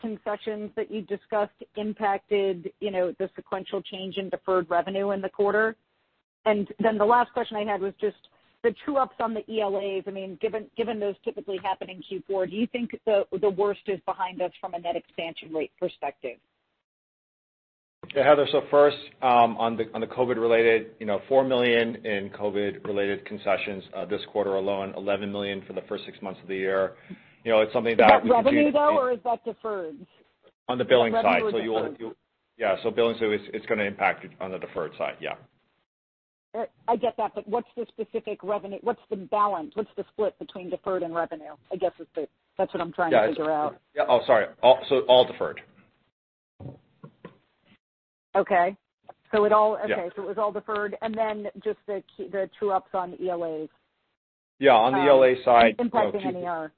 concessions that you discussed impacted the sequential change in deferred revenue in the quarter? The last question I had was just the true ups on the ELAs. Given those typically happen in Q4, do you think the worst is behind us from a net expansion rate perspective? Yeah. Heather, first, on the COVID related, $4 million in COVID related concessions this quarter alone, $11 million for the first six months of the year. It's something that we- Is that revenue, though, or is that deferred? On the billing side. Revenue or deferred? Yeah. Billings, it's going to impact on the deferred side. Yeah. I get that. What's the specific revenue? What's the balance? What's the split between deferred and revenue, I guess that's what I'm trying to figure out. Yeah. Oh, sorry. All deferred. Okay. Yeah. Okay. It was all deferred. Then just the true ups on the ELAs. Yeah. On the ELA side- Impacting any-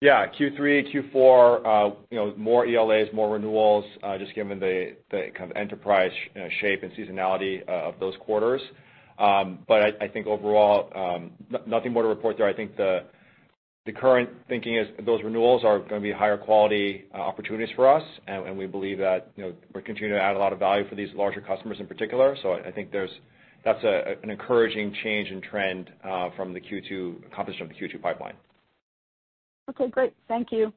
Yeah. Q3, Q4, more ELAs, more renewals, just given the kind of enterprise shape and seasonality of those quarters. I think overall, nothing more to report there. I think the current thinking is those renewals are going to be higher quality opportunities for us, and we believe that we're continuing to add a lot of value for these larger customers in particular. I think that's an encouraging change in trend from the Q2 pipeline. Okay, great. Thank you.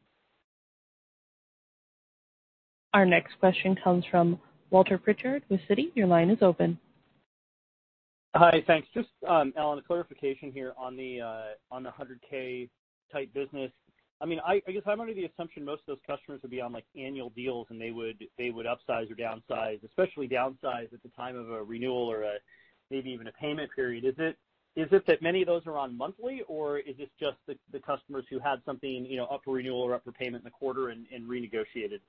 Our next question comes from Walter Pritchard with Citi. Your line is open. Hi. Thanks. Just, Allen, a clarification here on the 100K-type business. I guess I'm under the assumption most of those customers would be on annual deals, and they would upsize or downsize, especially downsize at the time of a renewal or maybe even a payment period. Is it that many of those are on monthly, or is this just the customers who had something up for renewal or up for payment in the quarter and renegotiated?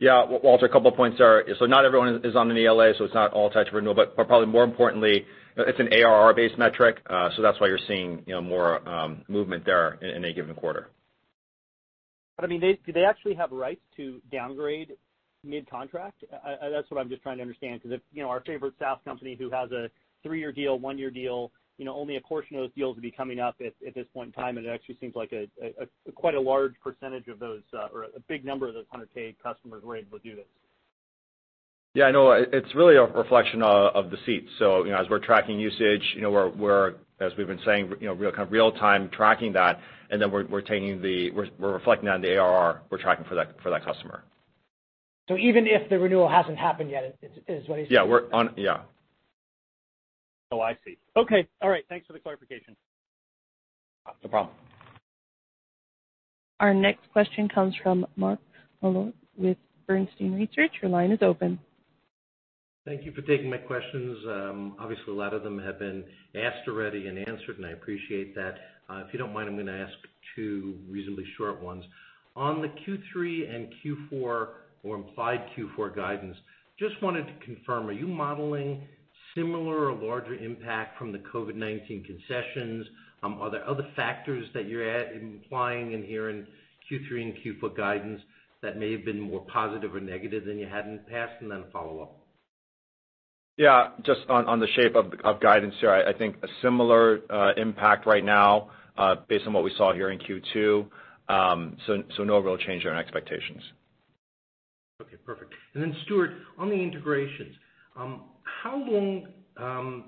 Yeah. Walter, a couple of points there. Not everyone is on an ELA, so it's not all tied to renewal. Probably more importantly, it's an ARR-based metric, so that's why you're seeing more movement there in any given quarter. Do they actually have rights to downgrade mid-contract? That's what I'm just trying to understand, because if our favorite SaaS company who has a 3-year deal, one year deal, only a portion of those deals would be coming up at this point in time, and it actually seems like quite a large percentage of those or a big number of those 100 paid customers are able to do this. Yeah, I know. It's really a reflection of the seats. As we're tracking usage, we're, as we've been saying, real-time tracking that, and then we're reflecting on the ARR we're tracking for that customer. Even if the renewal hasn't happened yet, is what he's saying? Yeah. Oh, I see. Okay. All right. Thanks for the clarification. No problem. Our next question comes from Mark Moerdler with Bernstein Research. Your line is open. Thank you for taking my questions. Obviously, a lot of them have been asked already and answered, and I appreciate that. If you don't mind, I'm going to ask two reasonably short ones. On the Q3 and Q4 or implied Q4 guidance, just wanted to confirm, are you modeling similar or larger impact from the COVID-19 concessions? Are there other factors that you're implying in here in Q3 and Q4 guidance that may have been more positive or negative than you had in the past? I have a follow-up. Yeah. Just on the shape of guidance here, I think a similar impact right now based on what we saw here in Q2. No real change in our expectations. Okay, perfect. Stewart, on the integrations, how long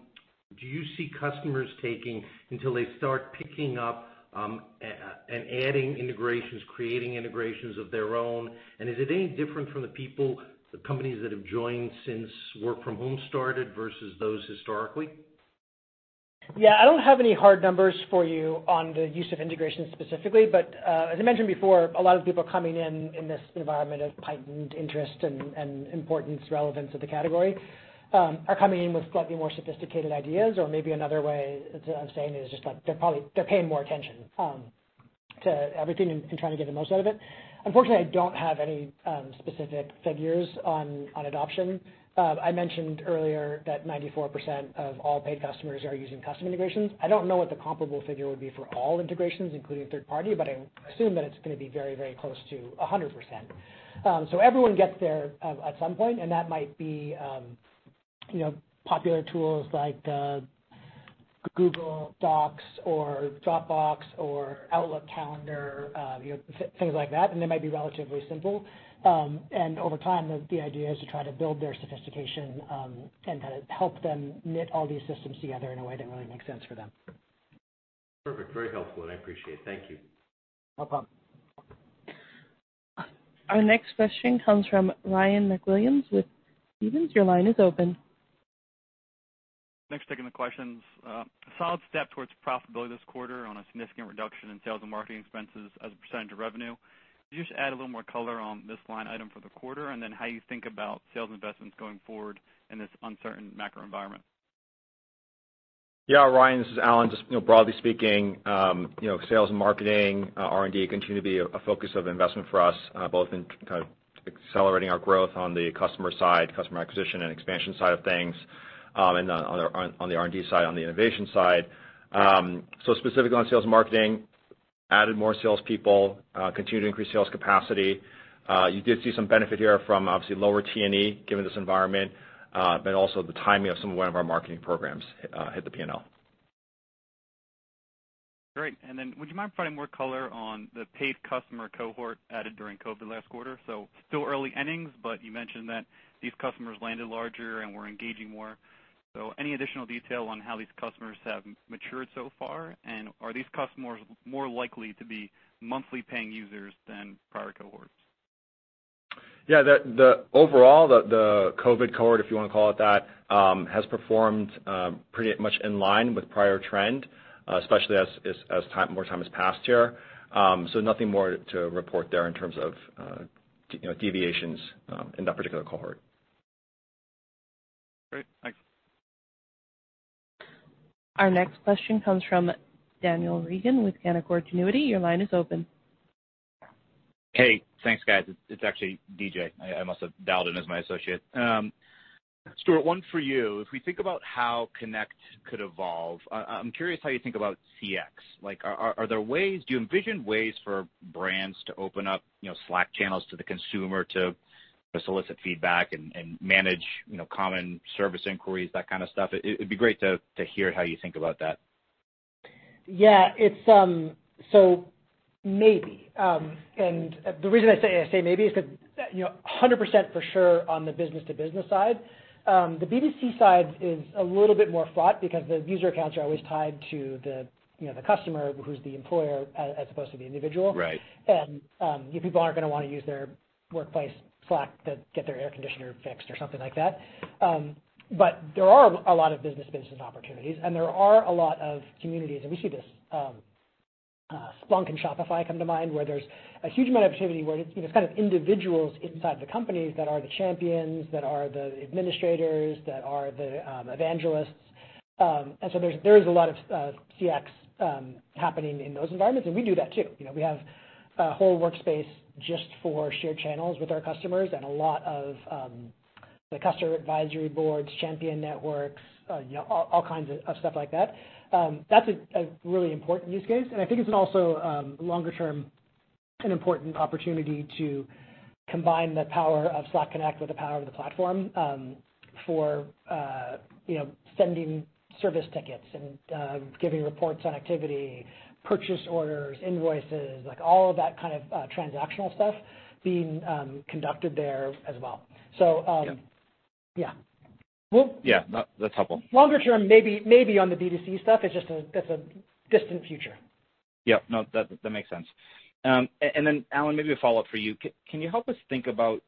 do you see customers taking until they start picking up and adding integrations, creating integrations of their own? Is it any different from the people, the companies that have joined since work from home started versus those historically? Yeah, I don't have any hard numbers for you on the use of integrations specifically, but as I mentioned before, a lot of people are coming in this environment of heightened interest and importance, relevance of the category, are coming in with slightly more sophisticated ideas or maybe another way I'm saying it is just like they're paying more attention to everything and trying to get the most out of it. Unfortunately, I don't have any specific figures on adoption. I mentioned earlier that 94% of all paid customers are using custom integrations. I don't know what the comparable figure would be for all integrations, including third party, but I assume that it's going to be very close to 100%. Everyone gets there at some point, and that might be popular tools like Google Docs or Dropbox or Outlook Calendar, things like that. They might be relatively simple. Over time, the idea is to try to build their sophistication, and to help them knit all these systems together in a way that really makes sense for them. Perfect. Very helpful, and I appreciate it. Thank you. No problem. Our next question comes from Ryan MacWilliams with Stephens. Your line is open. Thanks for taking the questions. A solid step towards profitability this quarter on a significant reduction in sales and marketing expenses as a percentage of revenue. Could you just add a little more color on this line item for the quarter, how you think about sales investments going forward in this uncertain macro environment? Yeah, Ryan, this is Allen. Just broadly speaking, sales and marketing, R&D continue to be a focus of investment for us, both in kind of accelerating our growth on the customer side, customer acquisition and expansion side of things, and on the R&D side, on the innovation side. Specifically on sales and marketing, added more salespeople, continue to increase sales capacity. You did see some benefit here from obviously lower T&E given this environment, but also the timing of some of our marketing programs hit the P&L. Great. Would you mind providing more color on the paid customer cohort added during COVID last quarter? Still early innings, but you mentioned that these customers landed larger and were engaging more. Any additional detail on how these customers have matured so far? Are these customers more likely to be monthly paying users than prior cohorts? Yeah. Overall, the COVID cohort, if you want to call it that, has performed pretty much in line with prior trend, especially as more time has passed here. Nothing more to report there in terms of deviations in that particular cohort. Great. Thanks. Our next question comes from Daniel Reagan with Canaccord Genuity. Your line is open. Hey, thanks, guys. It's actually DJ. I must have dialed in as my associate. Stewart, one for you. If we think about how Connect could evolve, I'm curious how you think about CX. Do you envision ways for brands to open up Slack channels to the consumer to solicit feedback and manage common service inquiries, that kind of stuff? It'd be great to hear how you think about that. Yeah. Maybe. The reason I say maybe is because 100% for sure on the business-to-business side. The B2C side is a little bit more fraught because the user accounts are always tied to the customer who's the employer as opposed to the individual. Right. People aren't going to want to use their workplace Slack to get their air conditioner fixed or something like that. There are a lot of business opportunities, and there are a lot of communities, and we see this. Splunk and Shopify come to mind, where there's a huge amount of activity, where it's kind of individuals inside the companies that are the champions, that are the administrators, that are the evangelists. There is a lot of CX happening in those environments, and we do that too. We have a whole workspace just for shared channels with our customers and a lot of the customer advisory boards, champion networks, all kinds of stuff like that. That's a really important use case. I think it's also, longer term, an important opportunity to combine the power of Slack Connect with the power of the platform for sending service tickets and giving reports on activity, purchase orders, invoices, all of that kind of transactional stuff being conducted there as well. Yeah yeah. Yeah. No, that's helpful. longer term, maybe on the B2C stuff, it's just a distant future. Yep. No, that makes sense. Allen, maybe a follow-up for you. Can you help us think about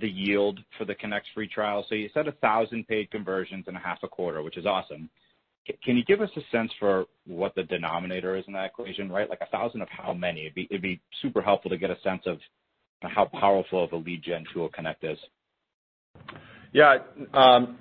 the yield for the Connect free trial? You said 1,000 paid conversions in a half a quarter, which is awesome. Can you give us a sense for what the denominator is in that equation, right? Like 1,000 of how many? It'd be super helpful to get a sense of how powerful of a lead gen tool Connect is. Yeah.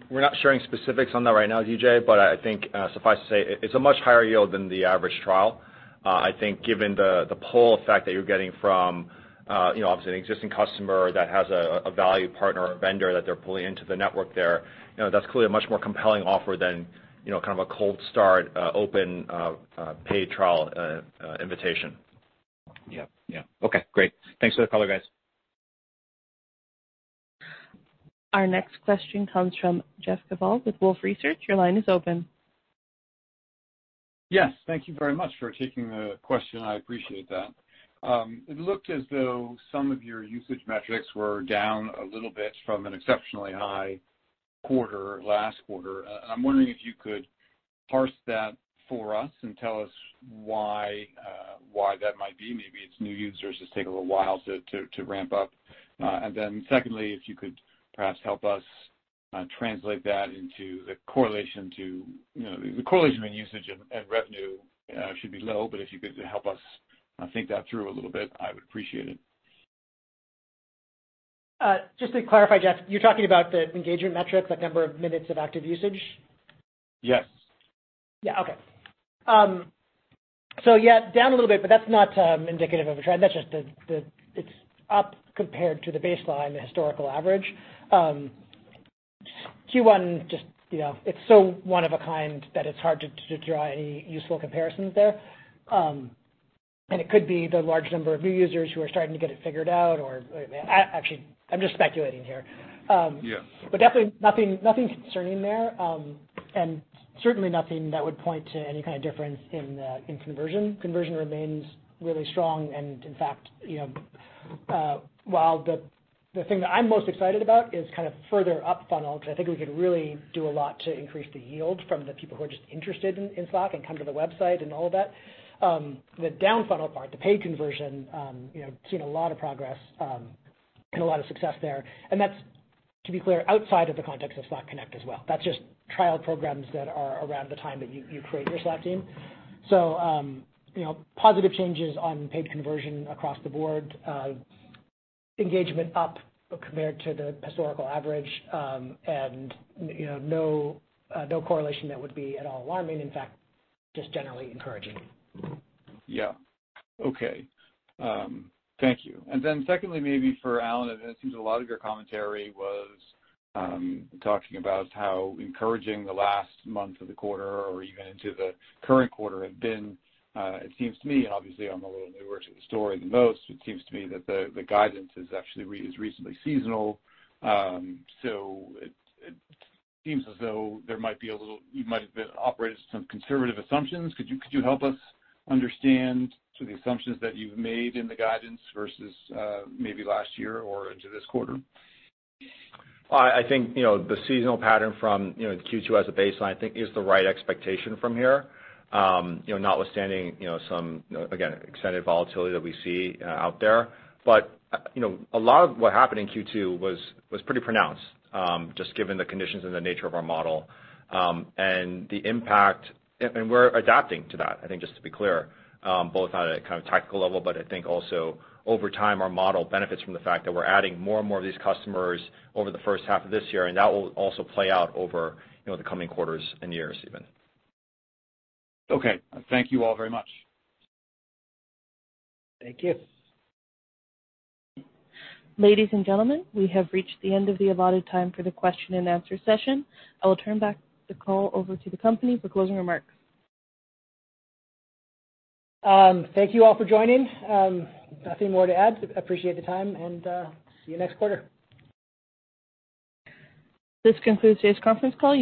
We're not sharing specifics on that right now, DJ, but I think suffice to say, it's a much higher yield than the average trial. I think given the pull effect that you're getting from obviously an existing customer that has a value partner or vendor that they're pulling into the network there, that's clearly a much more compelling offer than kind of a cold start, open paid trial invitation. Yep. Okay. Great. Thanks for the color, guys. Our next question comes from Jeff Kvaal with Wolfe Research. Your line is open. Yes. Thank you very much for taking the question. I appreciate that. It looked as though some of your usage metrics were down a little bit from an exceptionally high quarter last quarter. I'm wondering if you could parse that for us and tell us why that might be. Maybe it's new users just take a little while to ramp up. Secondly, if you could perhaps help us translate that into the correlation between usage and revenue should be low, but if you could help us think that through a little bit, I would appreciate it. Just to clarify, Jeff, you're talking about the engagement metrics, like number of minutes of active usage? Yes. Yeah. Okay. Yeah, down a little bit, but that's not indicative of a trend. It's up compared to the baseline historical average. Q1, it's so one of a kind that it's hard to draw any useful comparisons there. It could be the large number of new users who are starting to get it figured out, or actually, I'm just speculating here. Yeah. Definitely nothing concerning there. Certainly nothing that would point to any kind of difference in conversion. Conversion remains really strong, and in fact, while the thing that I'm most excited about is kind of further up funnel, because I think we could really do a lot to increase the yield from the people who are just interested in Slack and come to the website and all of that. The down funnel part, the paid conversion, seen a lot of progress, and a lot of success there. That's, to be clear, outside of the context of Slack Connect as well. That's just trial programs that are around the time that you create your Slack team. Positive changes on paid conversion across the board, engagement up compared to the historical average, and no correlation that would be at all alarming. In fact, just generally encouraging. Yeah. Okay. Thank you. Then secondly, maybe for Allen, it seems a lot of your commentary was talking about how encouraging the last month of the quarter or even into the current quarter had been. It seems to me, and obviously I'm a little newer to the story than most, it seems to me that the guidance is actually is recently seasonal. It seems as though you might have been operating some conservative assumptions. Could you help us understand the assumptions that you've made in the guidance versus maybe last year or into this quarter? I think, the seasonal pattern from Q2 as a baseline, I think is the right expectation from here. Notwithstanding some, again, extended volatility that we see out there. A lot of what happened in Q2 was pretty pronounced, just given the conditions and the nature of our model, and the impact. We're adapting to that, I think, just to be clear, both on a kind of tactical level, but I think also over time, our model benefits from the fact that we're adding more and more of these customers over the first half of this year, and that will also play out over the coming quarters and years even. Okay. Thank you all very much. Thank you. Ladies and gentlemen, we have reached the end of the allotted time for the question and answer session. I will turn back the call over to the company for closing remarks. Thank you all for joining. Nothing more to add, but appreciate the time, and see you next quarter. This concludes today's conference call.